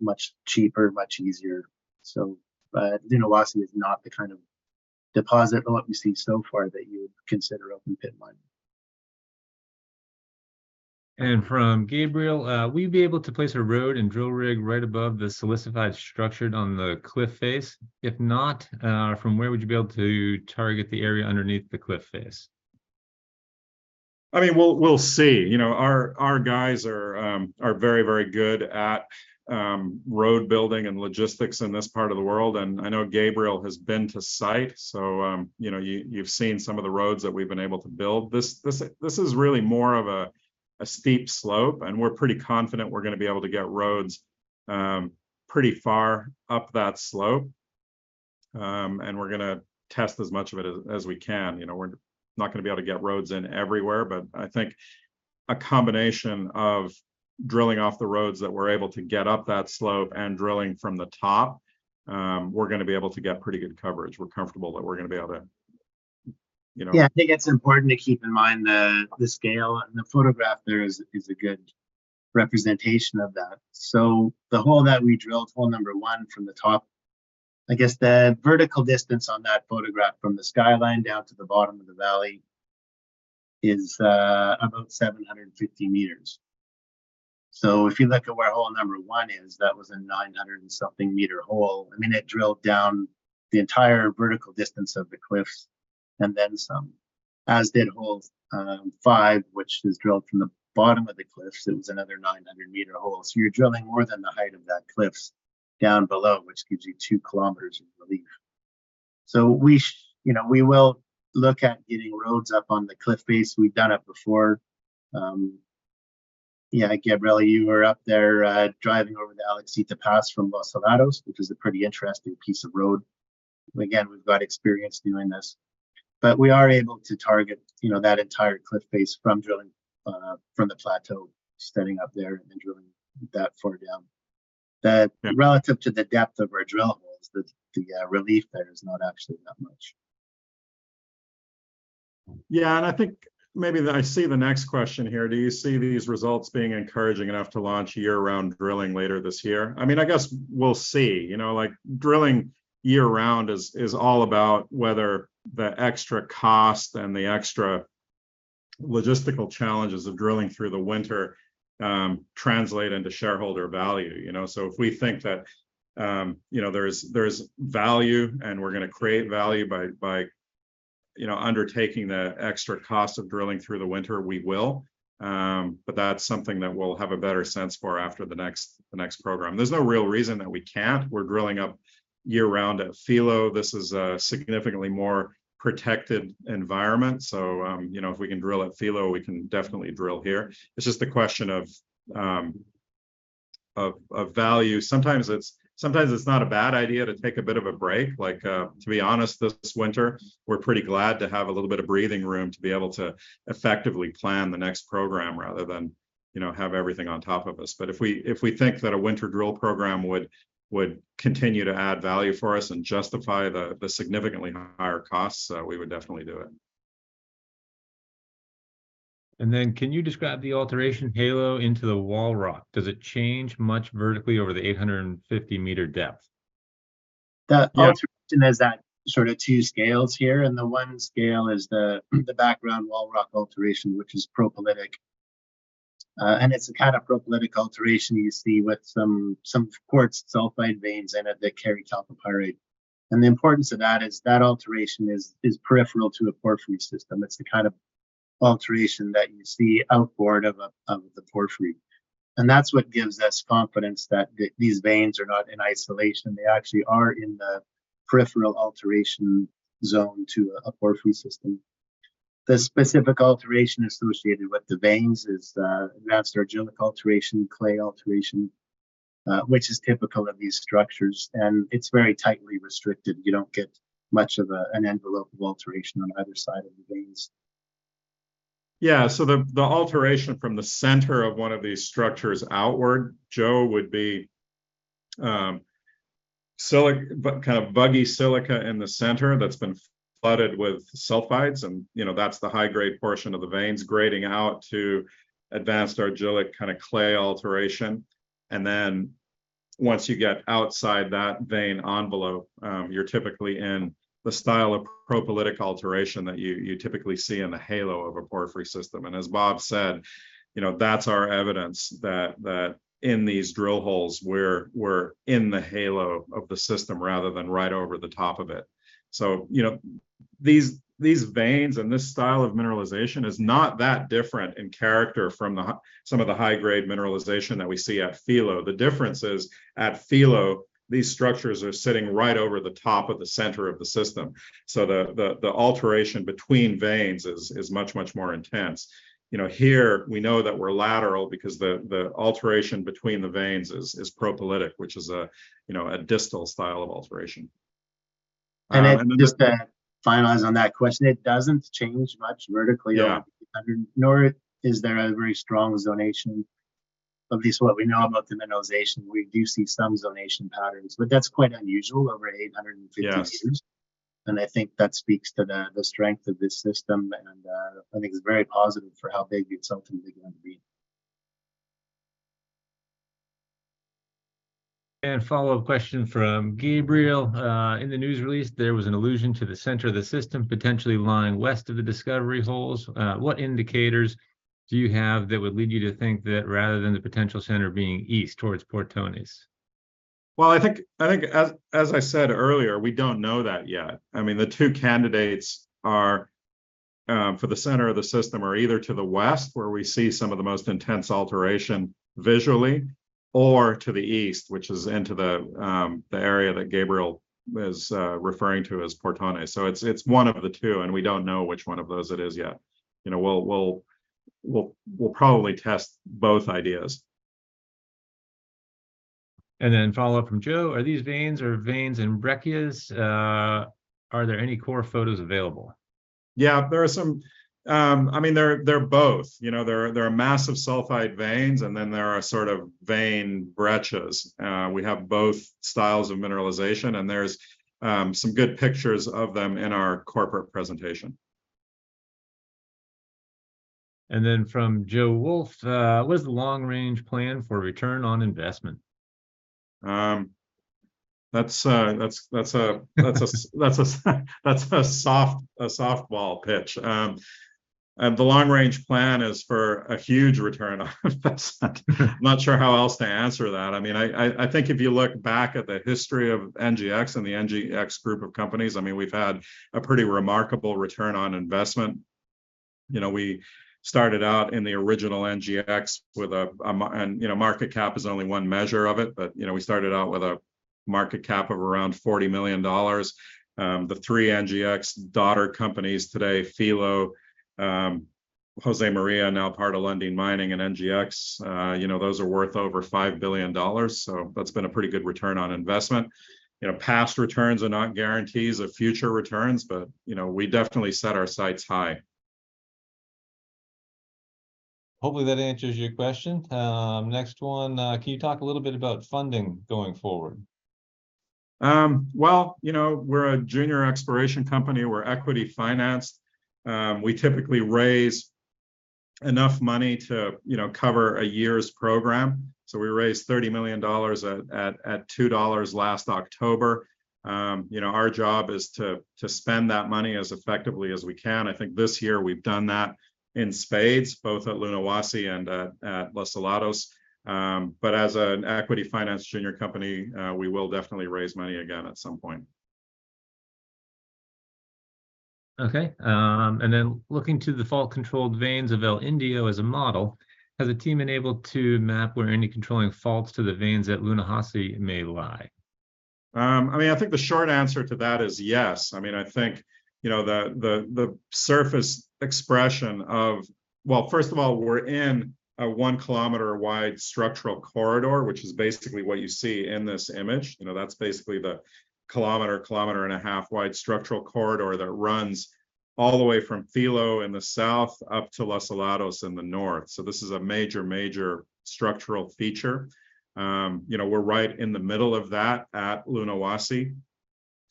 much cheaper, much easier, so. Lunahuasi is not the kind of deposit, well, that we've seen so far that you would consider open pit mining. From Gabriel, "Will you be able to place a road and drill rig right above the silicified structured on the cliff face? If not, from where would you be able to target the area underneath the cliff face? I mean, we'll see. You know, our guys are very, very good at road building and logistics in this part of the world, and I know Gabriel has been to site. You know, you've seen some of the roads that we've been able to build. This is really more of a steep slope, and we're pretty confident we're gonna be able to get roads pretty far up that slope. We're gonna test as much of it as we can. You know, we're not gonna be able to get roads in everywhere, but I think a combination of drilling off the roads that we're able to get up that slope and drilling from the top, we're gonna be able to get pretty good coverage. We're comfortable that we're gonna be able to, you know. I think it's important to keep in mind the scale, and the photograph there is a good representation of that. The hole that we drilled, hole 1 from the top, I guess the vertical distance on that photograph from the skyline down to the bottom of the valley is about 750 m. If you look at where hole one is, that was a 900-something meter hole. I mean, it drilled down the entire vertical distance of the cliffs and then some, as did hole five, which is drilled from the bottom of the cliffs. It was another 900 m hole. You're drilling more than the height of that cliffs down below, which gives you 2 km of relief. You know, we will look at getting roads up on the cliff face. We've done it before. Yeah, Gabriel, you were up there, driving over the Aleksita Pass from Los Helados, which is a pretty interesting piece of road. Again, we've got experience doing this. We are able to target, you know, that entire cliff face from drilling, from the plateau, starting up there and then drilling that far down. Mm relative to the depth of our drill holes, the relief there is not actually that much. I think maybe then I see the next question here: "Do you see these results being encouraging enough to launch year-round drilling later this year?" I mean, I guess we'll see. You know, like, drilling year-round is all about whether the extra cost and the extra logistical challenges of drilling through the winter translate into shareholder value, you know? If we think that, you know, there's value and we're gonna create value by, you know, undertaking the extra cost of drilling through the winter, we will. That's something that we'll have a better sense for after the next program. There's no real reason that we can't. We're drilling up year-round at Filo. This is a significantly more protected environment. You know, if we can drill at Filo, we can definitely drill here. It's just the question of value. Sometimes it's not a bad idea to take a bit of a break. Like, to be honest, this winter, we're pretty glad to have a little bit of breathing room to be able to effectively plan the next program, rather than, you know, have everything on top of us. If we think that a winter drill program would continue to add value for us and justify the significantly higher costs, we would definitely do it. Can you describe the alteration halo into the wall rock? Does it change much vertically over the 850 m depth? The alteration- Yeah... is at sort of two scales here. The one scale is the background wall rock alteration, which is propylitic. It's a kind of propylitic alteration you see with some quartz sulfide veins in it that carry chalcopyrite. The importance of that is that alteration is peripheral to a porphyry system. It's the kind of alteration that you see outboard of a, of the porphyry. That's what gives us confidence that these veins are not in isolation. They actually are in the peripheral alteration zone to a porphyry system. The specific alteration associated with the veins is advanced argillic alteration, clay alteration, which is typical of these structures, and it's very tightly restricted. You don't get much of a, an envelope of alteration on either side of the veins. The alteration from the center of one of these structures outward, Joe Wolf, would be but kind of vuggy silica in the center that's been flooded with sulfides, and, you know, that's the high-grade portion of the veins grading out to advanced argillic kind of clay alteration. Once you get outside that vein envelope, you typically in the style of propylitic alteration that you typically see in the halo of a porphyry system. As Bob Carmichael said, you know, that's our evidence that in these drill holes, we're in the halo of the system rather than right over the top of it. You know, these veins and this style of mineralization is not that different in character from some of the high-grade mineralization that we see at Filo. The difference is, at Filo, these structures are sitting right over the top of the center of the system, so the alteration between veins is much, much more intense. You know, here we know that we're lateral because the alteration between the veins is propylitic, which is a, you know, a distal style of alteration. Just to finalize on that question, it doesn't change much vertically. Yeah Under, nor is there a very strong zonation. At least what we know about the mineralization, we do see some zonation patterns, but that's quite unusual over 850 m. Yes. I think that speaks to the strength of this system, and I think it's very positive for how big the exemption is going to be. Follow-up question from Gabriel: "In the news release, there was an allusion to the center of the system potentially lying west of the discovery holes. What indicators do you have that would lead you to think that rather than the potential center being east towards Portones? Well, I think as I said earlier, we don't know that yet. I mean, the two candidates are for the center of the system are either to the west, where we see some of the most intense alteration visually, or to the east, which is into the area that Gabriel is referring to as Portones. It's one of the two, and we don't know which one of those it is yet. You know, we'll probably test both ideas. Follow up from Joe, "Are these veins or veins and breccias? Are there any core photos available? Yeah, I mean, they're both. You know, there are massive sulfide veins, and then there are sort of vein breccias. We have both styles of mineralization, and there's some good pictures of them in our corporate presentation. From Joe Wolf, "What is the long range plan for return on investment? That's a softball pitch. The long range plan is for a huge return on investment. I'm not sure how else to answer that. I mean, I think if you look back at the history of NGEx and the NGEx group of companies, I mean, we've had a pretty remarkable return on investment. You know, we started out in the original NGEx. You know, market cap is only one measure of it, but, you know, we started out with a market cap of around $40 million. The three NGEx daughter companies today, Filo, Josemaria, now part of Lundin Mining and NGEx, you know, those are worth over $5 billion. That's been a pretty good return on investment. You know, past returns are not guarantees of future returns, but, you know, we definitely set our sights high. Hopefully that answers your question. Next one, "Can you talk a little bit about funding going forward? Well, you know, we're a junior exploration company. We're equity financed. We typically raise enough money to, you know, cover a year's program. We raised $30 million at $2 last October. You know, our job is to spend that money as effectively as we can. I think this year we've done that in spades, both at Lunahuasi and at Los Helados. As an equity finance junior company, we will definitely raise money again at some point. Okay. "Looking to the fault-controlled veins of El Indio as a model, has the team been able to map where any controlling faults to the veins at Lunahuasi may lie? I mean, I think the short answer to that is yes. I mean, I think, you know, Well, first of all, we're in a 1 km wide structural corridor, which is basically what you see in this image. You know, that's basically the 1.5 km structural corridor that runs all the way from Filo in the south up to Los Helados in the north. This is a major structural feature. You know, we're right in the middle of that at Lunahuasi.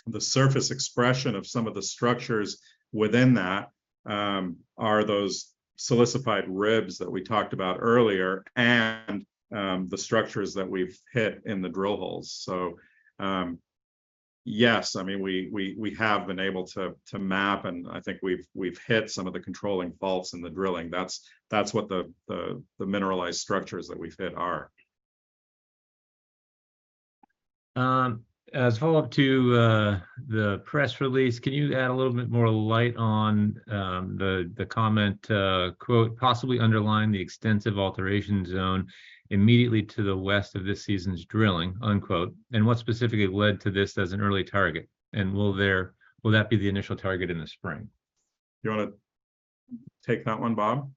The surface expression of some of the structures within that are those silicified ribs that we talked about earlier and the structures that we've hit in the drill holes. Yes, I mean, we have been able to map, and I think we've hit some of the controlling faults in the drilling. That's what the mineralized structures that we've hit are. As a follow-up to the press release, can you add a little bit more light on the comment, quote, "Possibly underline the extensive alteration zone immediately to the west of this season's drilling," unquote. What specifically led to this as an early target? Will that be the initial target in the spring? You want to take that one, Bob?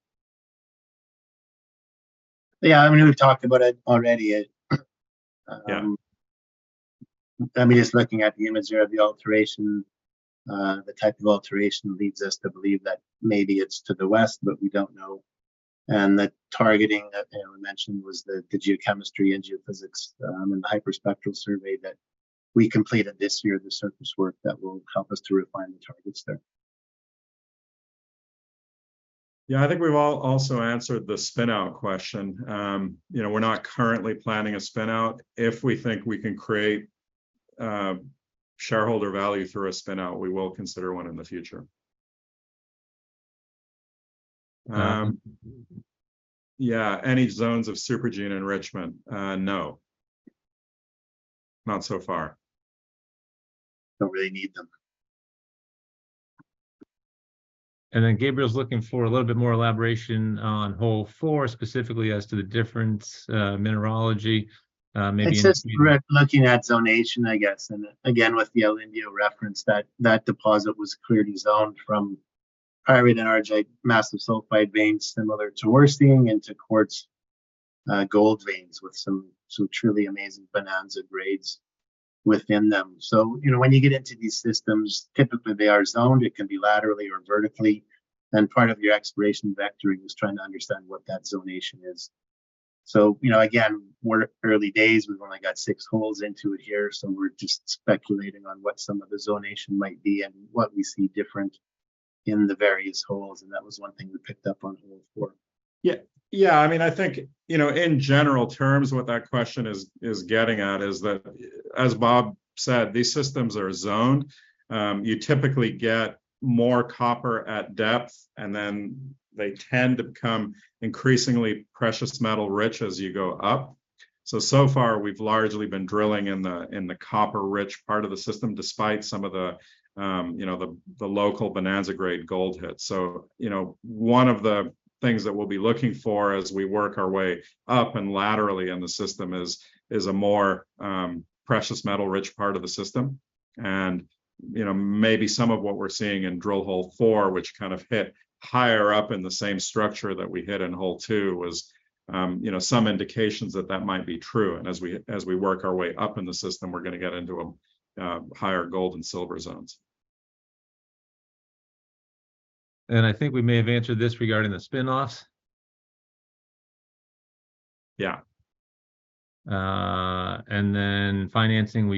Yeah, I mean, we've talked about it already. Yeah. I mean, just looking at the imagery of the alteration, the type of alteration leads us to believe that maybe it's to the west, but we don't know. The targeting that Aaron mentioned was the geochemistry and geophysics, and the hyperspectral survey that we completed this year, the surface work, that will help us to refine the targets there. Yeah, I think we've also answered the spinout question. You know, we're not currently planning a spinout. If we think we can create shareholder value through a spinout, we will consider one in the future. Yeah, any zones of supergene enrichment? No. Not so far. Don't really need them. Gabriel's looking for a little bit more elaboration on hole four, specifically as to the different mineralogy. It's just we're looking at zonation, I guess, again, with the El Indio reference, that deposit was clearly zoned from pyrite and enargite massive sulfide veins similar to wurtzite and to quartz gold veins with some truly amazing bonanza grades within them. You know, when you get into these systems, typically they are zoned. It can be laterally or vertically, part of your exploration vectoring is trying to understand what that zonation is. You know, again, we're early days. We've only got six holes into it here, we're just speculating on what some of the zonation might be what we see different in the various holes, that was one thing we picked up on hole four. Yeah, yeah. I mean, I think, you know, in general terms, what that question is getting at is that, as Bob said, these systems are zoned. You typically get more copper at depth, and then they tend to become increasingly precious metal rich as you go up. So far we've largely been drilling in the, in the copper-rich part of the system, despite some of the, you know, the local bonanza-grade gold hits. You know, one of the things that we'll be looking for as we work our way up and laterally in the system is a more precious metal rich part of the system. You know, maybe some of what we're seeing in drill hole four, which kind of hit higher up in the same structure that we hit in hole two was, you know, some indications that that might be true. As we work our way up in the system, we're gonna get into higher gold and silver zones. I think we may have answered this regarding the spin-offs. Yeah. Financing,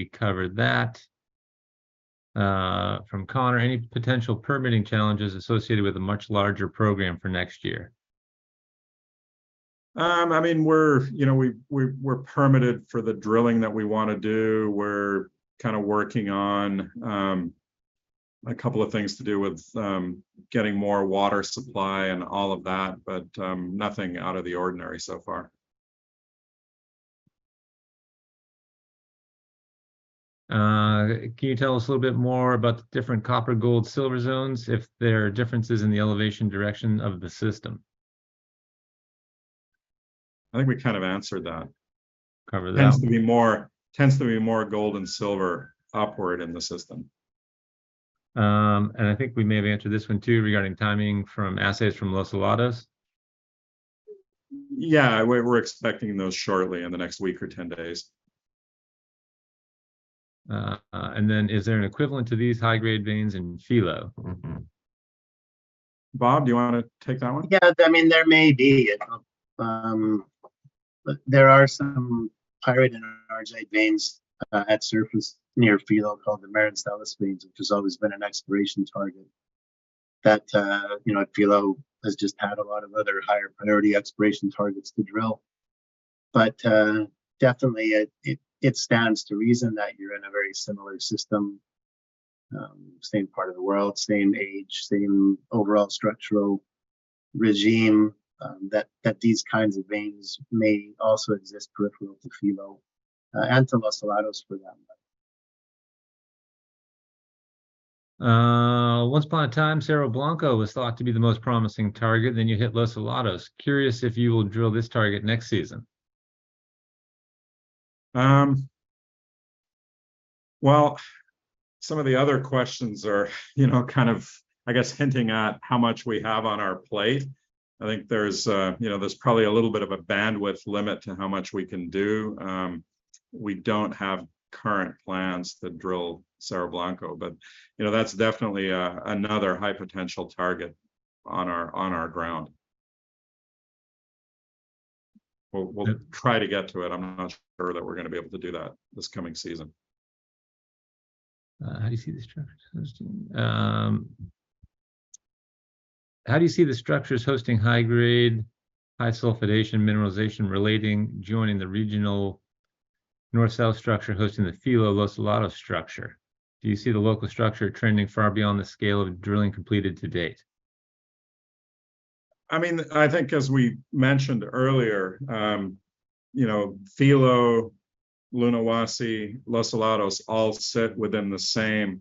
we covered that. From Connor, "Any potential permitting challenges associated with a much larger program for next year? I mean, You know, we're permitted for the drilling that we wanna do. We're kind of working on a couple of things to do with getting more water supply and all of that, but nothing out of the ordinary so far. Can you tell us a little bit more about the different copper, gold, silver zones, if there are differences in the elevation direction of the system? I think we kind of answered that. Covered that? Tends to be more gold and silver upward in the system. I think we may have answered this one, too, regarding timing from assays from Los Olivos. Yeah, we're expecting those shortly in the next week or 10 days. Is there an equivalent to these high-grade veins in Filo? Bob, do you want to take that one? Yeah, I mean, there may be. There are some pyrite and argillite veins at surface near Filo called the Maranceles veins, which has always been an exploration target that, you know, Filo has just had a lot of other higher priority exploration targets to drill. Definitely it, it stands to reason that you're in a very similar system, same part of the world, same age, same overall structural regime, that these kinds of veins may also exist peripheral to Filo and to Los Olivos for that matter. Once upon a time, Cerro Blanco was thought to be the most promising target, then you hit Los Olivos. Curious if you will drill this target next season? Well, some of the other questions are, you know, kind of, I guess, hinting at how much we have on our plate. I think there's, you know, there's probably a little bit of a bandwidth limit to how much we can do. We don't have current plans to drill Cerro Blanco, you know, that's definitely another high potential target on our, on our ground. We'll try to get to it. I'm not sure that we're gonna be able to do that this coming season. How do you see the structures hosting high-grade, high sulfidation mineralization relating, joining the regional north-south structure hosting the Filo-Los Olivos structure? Do you see the local structure trending far beyond the scale of drilling completed to date? I mean, I think as we mentioned earlier, you know, Filo, Lunahuasi, Los Olivos all sit within the same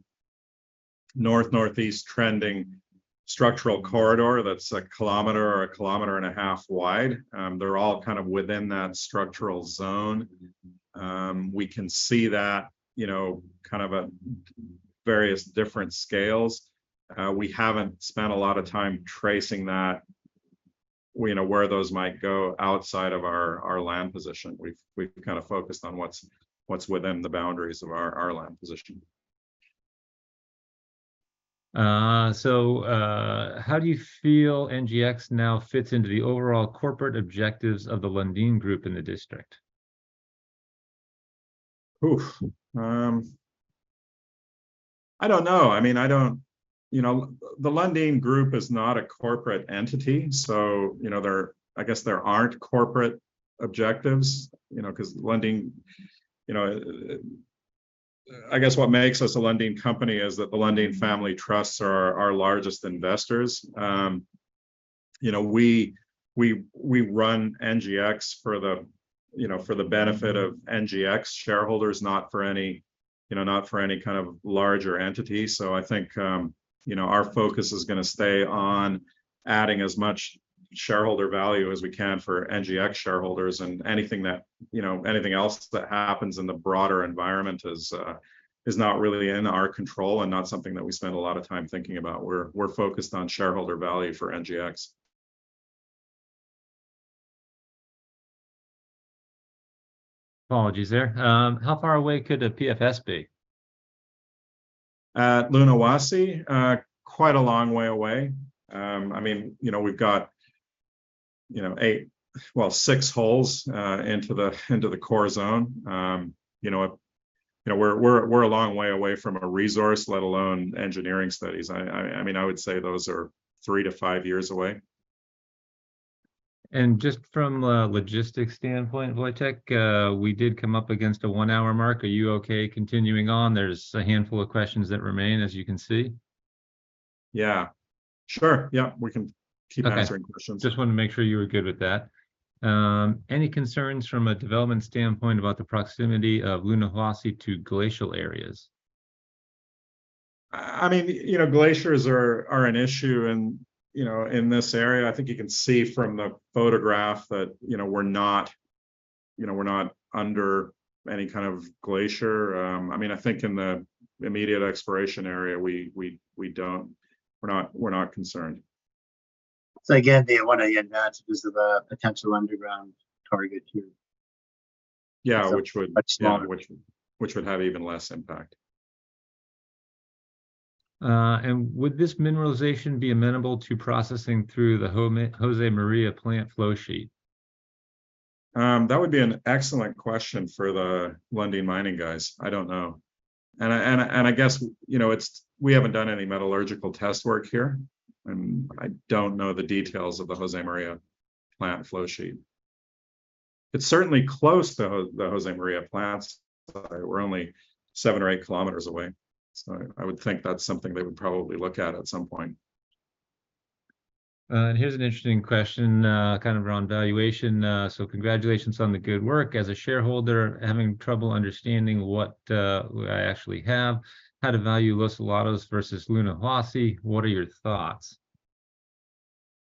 north-northeast trending structural corridor that is 1 km or a 1.5 km wide. They're all kind of within that structural zone. We can see that, you know, kind of at various different scales. We haven't spent a lot of time tracing that, you know, where those might go outside of our land position. We've, we've kind of focused on what's within the boundaries of our land position. How do you feel NGEx now fits into the overall corporate objectives of the Lundin Group in the district? I don't know. I mean, You know, the Lundin Group is not a corporate entity, so, you know, there, I guess there aren't corporate objectives, you know, 'cause Lundin, you know, I guess what makes us a Lundin company is that the Lundin family trusts are our largest investors. You know, we run NGEx for the, you know, for the benefit of NGEx shareholders, not for any kind of larger entity. I think, you know, our focus is gonna stay on adding as much shareholder value as we can for NGEx shareholders, and anything that, you know, anything else that happens in the broader environment is not really in our control and not something that we spend a lot of time thinking about. We're focused on shareholder value for NGEx Apologies there. How far away could a PFS be? At Lunahuasi? Quite a long way away. I mean, you know, we've got, you know, six holes into the core zone. You know, we're a long way away from a resource, let alone engineering studies. I mean, I would say those are three to five years away. Just from a logistics standpoint, Wojtek, we did come up against a one-hour mark. Are you okay continuing on? There's a handful of questions that remain, as you can see. Yeah. Sure, yeah, we can keep answering questions. Okay. Just wanted to make sure you were good with that. Any concerns from a development standpoint about the proximity of Lunahuasi to glacial areas? I mean, you know, glaciers are an issue in, you know, in this area. I think you can see from the photograph that, you know, we're not, you know, we're not under any kind of glacier. I mean, I think in the immediate exploration area, We're not concerned. Again, the one of the advantages of a potential underground target here. Yeah, which. Much smaller. Yeah, which would have even less impact. Would this mineralization be amenable to processing through the Josemaria plant flow sheet? that would be an excellent question for the Lundin Mining guys. I don't know. I guess, you know, we haven't done any metallurgical test work here, and I don't know the details of the Josemaria plant flow sheet. It's certainly close to the Josemaria plants. We're only 7 km or 8 km away, so I would think that's something they would probably look at at some point. Here's an interesting question, kind of around valuation. "Congratulations on the good work. As a shareholder, having trouble understanding what I actually have. How to value Los Helados versus Lunahuasi. What are your thoughts?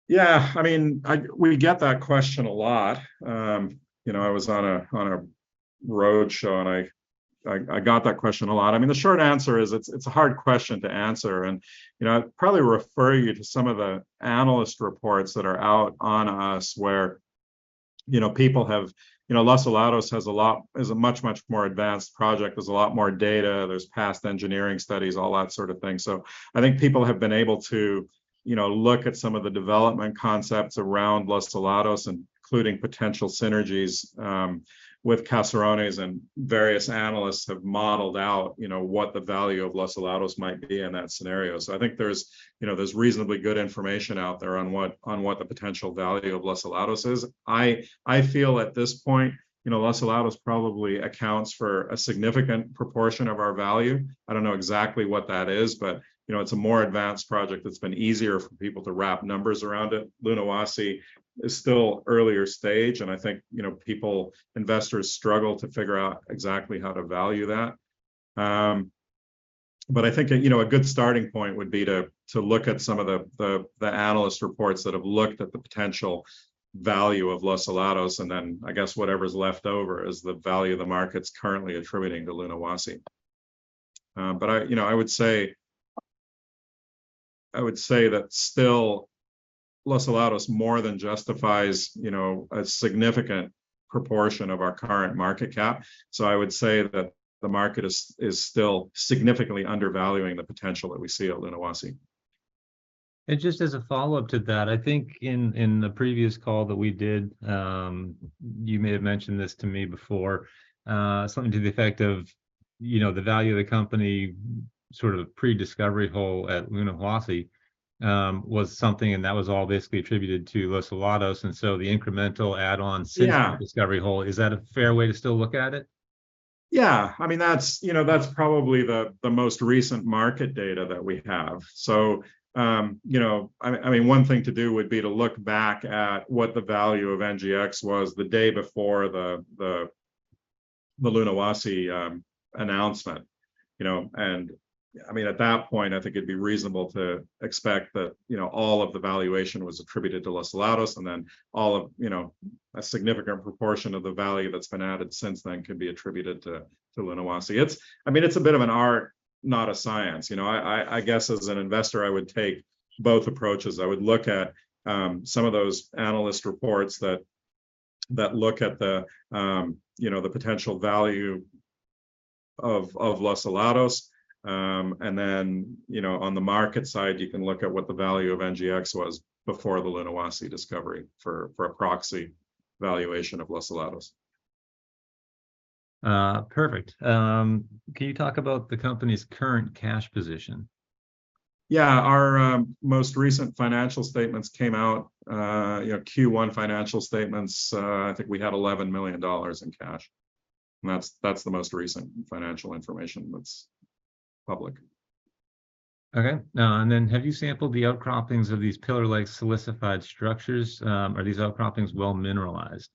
Yeah, I mean, we get that question a lot. You know, I was on a, on a roadshow, and I got that question a lot. I mean, the short answer is, it's a hard question to answer, and you know, I'd probably refer you to some of the analyst reports that are out on us where, you know, people have. You know, Los Helados is a much more advanced project. There's a lot more data, there's past engineering studies, all that sort of thing. I think people have been able to, you know, look at some of the development concepts around Los Helados, including potential synergies, with Caserones, and various analysts have modeled out, you know, what the value of Los Helados might be in that scenario. I think there's, you know, there's reasonably good information out there on what, on what the potential value of Los Helados is. I feel at this point, you know, Los Helados probably accounts for a significant proportion of our value. I don't know exactly what that is, but, you know, it's a more advanced project that's been easier for people to wrap numbers around it. Lunahuasi is still earlier stage, and I think, you know, people, investors struggle to figure out exactly how to value that. I think, you know, a good starting point would be to look at some of the, the analyst reports that have looked at the potential value of Los Helados, and then I guess whatever's left over is the value the market's currently attributing to Lunahuasi. I, you know, I would say, I would say that still Los Helados more than justifies, you know, a significant proportion of our current market cap. I would say that the market is still significantly undervaluing the potential that we see at Lunahuasi. Just as a follow-up to that, I think in the previous call that we did, you may have mentioned this to me before, something to the effect of, you know, the value of the company, sort of pre-discovery hole at Lunahuasi, was something, that was all basically attributed to Los Helados, the incremental add-on-. Yeah Since the discovery hole. Is that a fair way to still look at it? Yeah. I mean, that's probably the most recent market data that we have. I mean, one thing to do would be to look back at what the value of NGEx was the day before the Lunahuasi announcement. I mean, at that point, I think it'd be reasonable to expect that all of the valuation was attributed to Los Helados, then all of a significant proportion of the value that's been added since then can be attributed to Lunahuasi. I mean, it's a bit of an art, not a science. I guess, as an investor, I would take both approaches. I would look at, some of those analyst reports that look at the, you know, the potential value of Los Helados. You know, on the market side, you can look at what the value of NGEx was before the Lunahuasi discovery for a proxy valuation of Los Helados. Perfect. Can you talk about the company's current cash position? Yeah. Our most recent financial statements came out, you know, Q1 financial statements, I think we had $11 million in cash. That's the most recent financial information that's public. Okay. Have you sampled the outcroppings of these pillar-like silicified structures? Are these outcroppings well mineralized?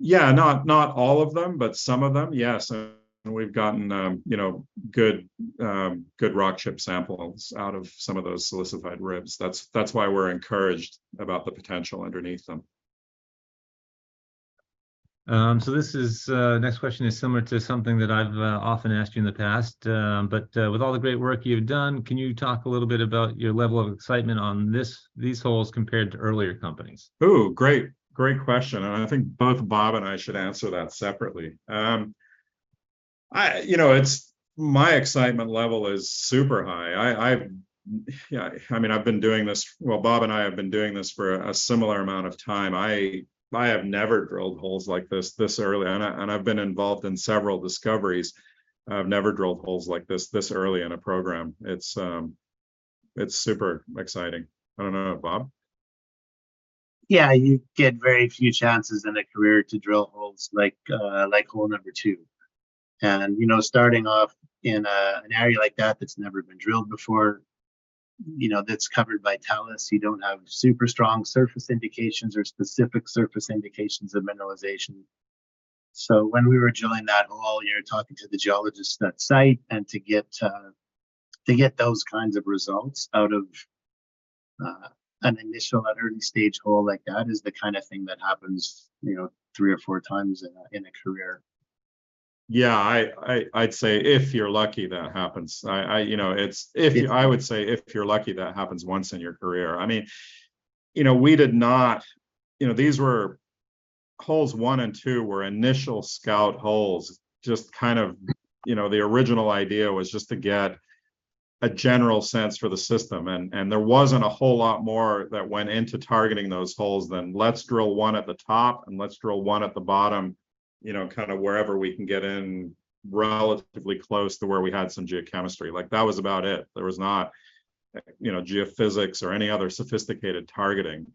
Yeah, not all of them, but some of them, yes. We've gotten, you know, good rock chip samples out of some of those silicified ribs. That's why we're encouraged about the potential underneath them. This is, next question is similar to something that I've often asked you in the past, with all the great work you've done, can you talk a little bit about your level of excitement on these holes compared to earlier companies? Ooh, great question. I think both Bob and I should answer that separately. I, you know, it's my excitement level is super high. I mean, I've been doing this, well, Bob and I have been doing this for a similar amount of time. I have never drilled holes like this early, and I've been involved in several discoveries. I've never drilled holes like this early in a program. It's super exciting. I don't know, Bob? Yeah, you get very few chances in a career to drill holes like like hole number two. You know, starting off in an area like that's never been drilled before, you know, that's covered by talus, you don't have super strong surface indications or specific surface indications of mineralization. When we were drilling that hole, you're talking to the geologists at site, and to get those kinds of results out of an initial, an early-stage hole like that is the kind of thing that happens, you know, three or four times in a career. Yeah. I'd say if you're lucky, that happens. I. You know, If- I would say if you're lucky, that happens once in your career. I mean, you know, we did not... You know, these were... Holes one and two were initial scout holes, just kind of- Mm. You know, the original idea was just to get a general sense for the system, and there wasn't a whole lot more that went into targeting those holes than, "Let's drill one at the top, and let's drill one at the bottom," you know, kind of wherever we can get in relatively close to where we had some geochemistry. Like, that was about it. There was not, you know, geophysics or any other sophisticated targeting.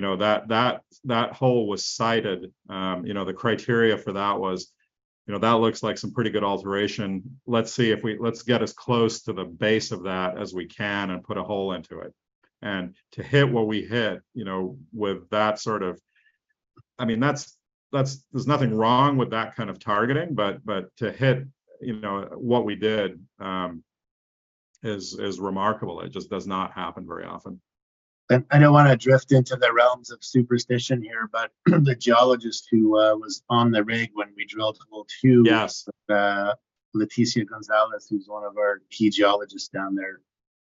You know, that hole was sited, you know, the criteria for that was, "You know, that looks like some pretty good alteration. Let's see if let's get as close to the base of that as we can and put a hole into it." To hit what we hit, you know, with that sort of... I mean, that's there's nothing wrong with that kind of targeting, but to hit, you know, what we did, is remarkable. It just does not happen very often. I don't wanna drift into the realms of superstition here, but the geologist who was on the rig when we drilled hole two- Yes... Leticia Gonzalez, who's one of our key geologists down there,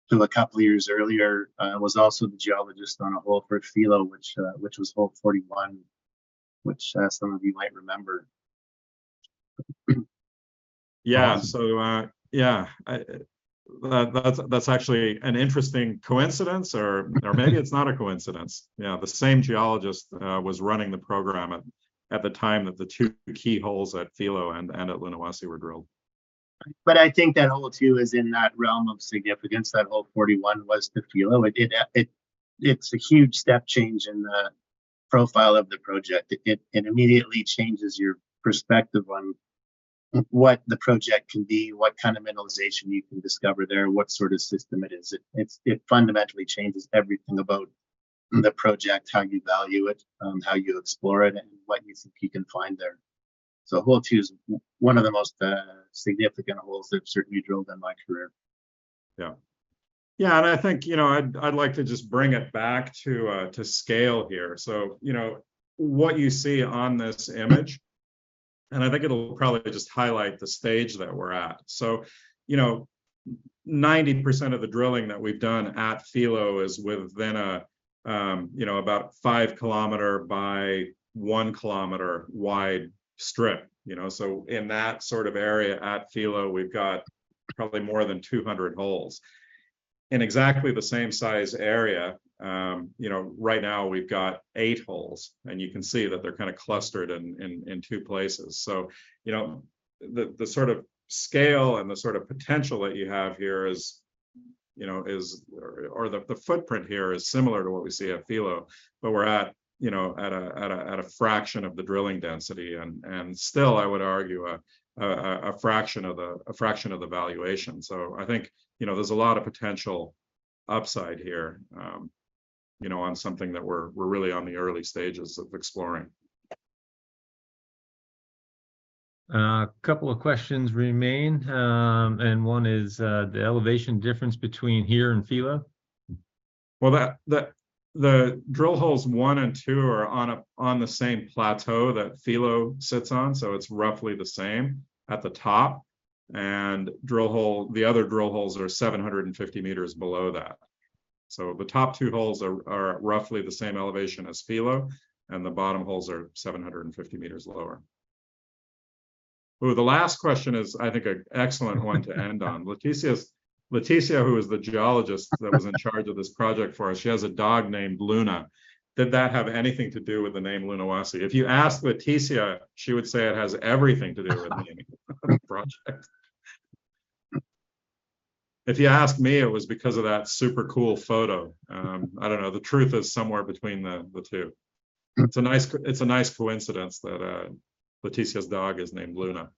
who a couple of years earlier, was also the geologist on a hole for Filo, which was hole 41, which, some of you might remember. I, that's actually an interesting coincidence or maybe it's not a coincidence. The same geologist, was running the program at the time that the two key holes at Filo and at Lunahuasi were drilled. I think that hole two is in that realm of significance, that hole 41 was to Filo. It's a huge step change in the profile of the project. It immediately changes your perspective on what the project can be, what kind of mineralization you can discover there, what sort of system it is. It fundamentally changes everything about the project, how you value it, how you explore it, and what you think you can find there. hole two is one of the most significant holes I've certainly drilled in my career. Yeah. Yeah, I think, you know, I'd like to just bring it back to scale here. You know, what you see on this image, and I think it'll probably just highlight the stage that we're at. You know, 90% of the drilling that we've done at Filo is within a, you know, about 5 km by 1 km wide strip, you know? In that sort of area at Filo, we've got probably more than 200 holes. In exactly the same size area, you know, right now we've got eight holes, and you can see that they're kind of clustered in two places. You know, the sort of scale and the sort of potential that you have here is, you know, or the footprint here is similar to what we see at Filo, but we're at, you know, at a fraction of the drilling density and still, I would argue, a fraction of the fraction of the valuation. I think, you know, there's a lot of potential upside here, you know, on something that we're really on the early stages of exploring. A couple of questions remain. One is the elevation difference between here and Filo. Well, that, the drill holes one and two are on the same plateau that Filo sits on, so it's roughly the same at the top. The other drill holes are 750 m below that. The top two holes are roughly the same elevation as Filo, and the bottom holes are 750 m lower. The last question is, I think, an excellent one to end on. Leticia, who is the geologist that was in charge of this project for us, she has a dog named Luna. Did that have anything to do with the name Lunahuasi? If you ask Leticia, she would say it has everything to do with the name of the project. If you ask me, it was because of that super cool photo. I don't know. The truth is somewhere between the two. Mm. It's a nice coincidence that, Leticia's dog is named Luna.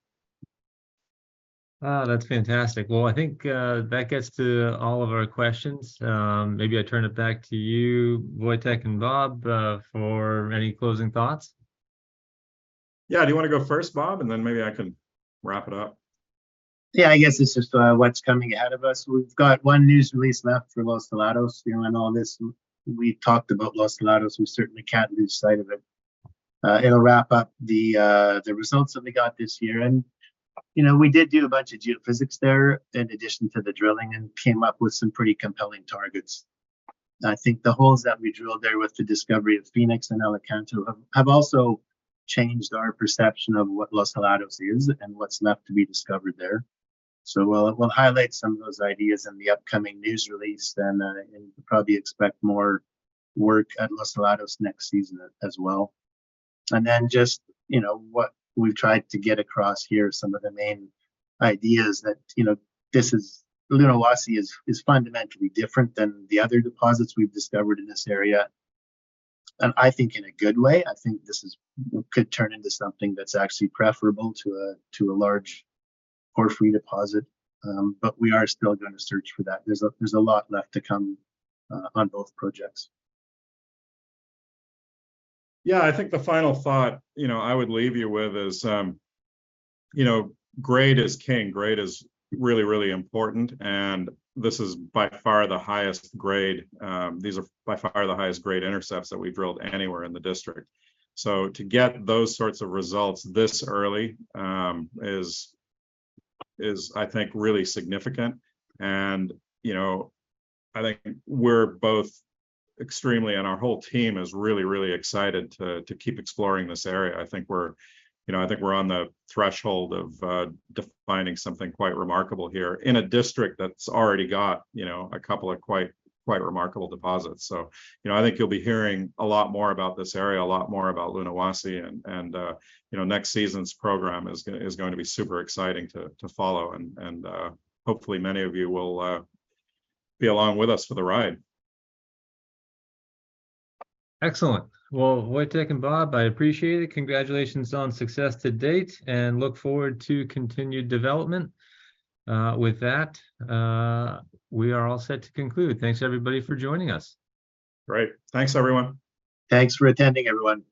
That's fantastic. Well, I think that gets to all of our questions. Maybe I turn it back to you, Wojtek and Bob, for any closing thoughts. Yeah. Do you wanna go first, Bob, and then maybe I can wrap it up? Yeah, I guess it's just what's coming out of us. We've got one news release left for Los Helados, you know, and all this. We've talked about Los Helados, we certainly can't lose sight of it. It'll wrap up the results that we got this year. You know, we did do a bunch of geophysics there in addition to the drilling, and came up with some pretty compelling targets.... I think the holes that we drilled there with the discovery of Fenix and Alicanto have also changed our perception of what Los Helados is, and what's left to be discovered there. We'll highlight some of those ideas in the upcoming news release, and probably expect more work at Los Heladosnext season as well. Just, you know, what we've tried to get across here, some of the main ideas that, you know, this is, Lunahuasi is fundamentally different than the other deposits we've discovered in this area, and I think in a good way. I think this could turn into something that's actually preferable to a large porphyry deposit. We are still gonna search for that. There's a lot left to come on both projects. Yeah, I think the final thought, you know, I would leave you with is, you know, grade is king. Grade is really, really important, and this is by far the highest grade, these are by far the highest grade intercepts that we've drilled anywhere in the district. To get those sorts of results this early, is I think really significant. You know, I think we're both extremely, and our whole team is really, really excited to keep exploring this area. I think we're, you know, I think we're on the threshold of defining something quite remarkable here in a district that's already got, you know, a couple of quite remarkable deposits. You know, I think you'll be hearing a lot more about this area, a lot more about Lunahuasi, and, you know, next season's program is going to be super exciting to follow. Hopefully many of you will be along with us for the ride. Excellent. Wojtek and Bob, I appreciate it. Congratulations on success to date, and look forward to continued development. With that, we are all set to conclude. Thanks everybody for joining us. Great. Thanks, everyone. Thanks for attending, everyone.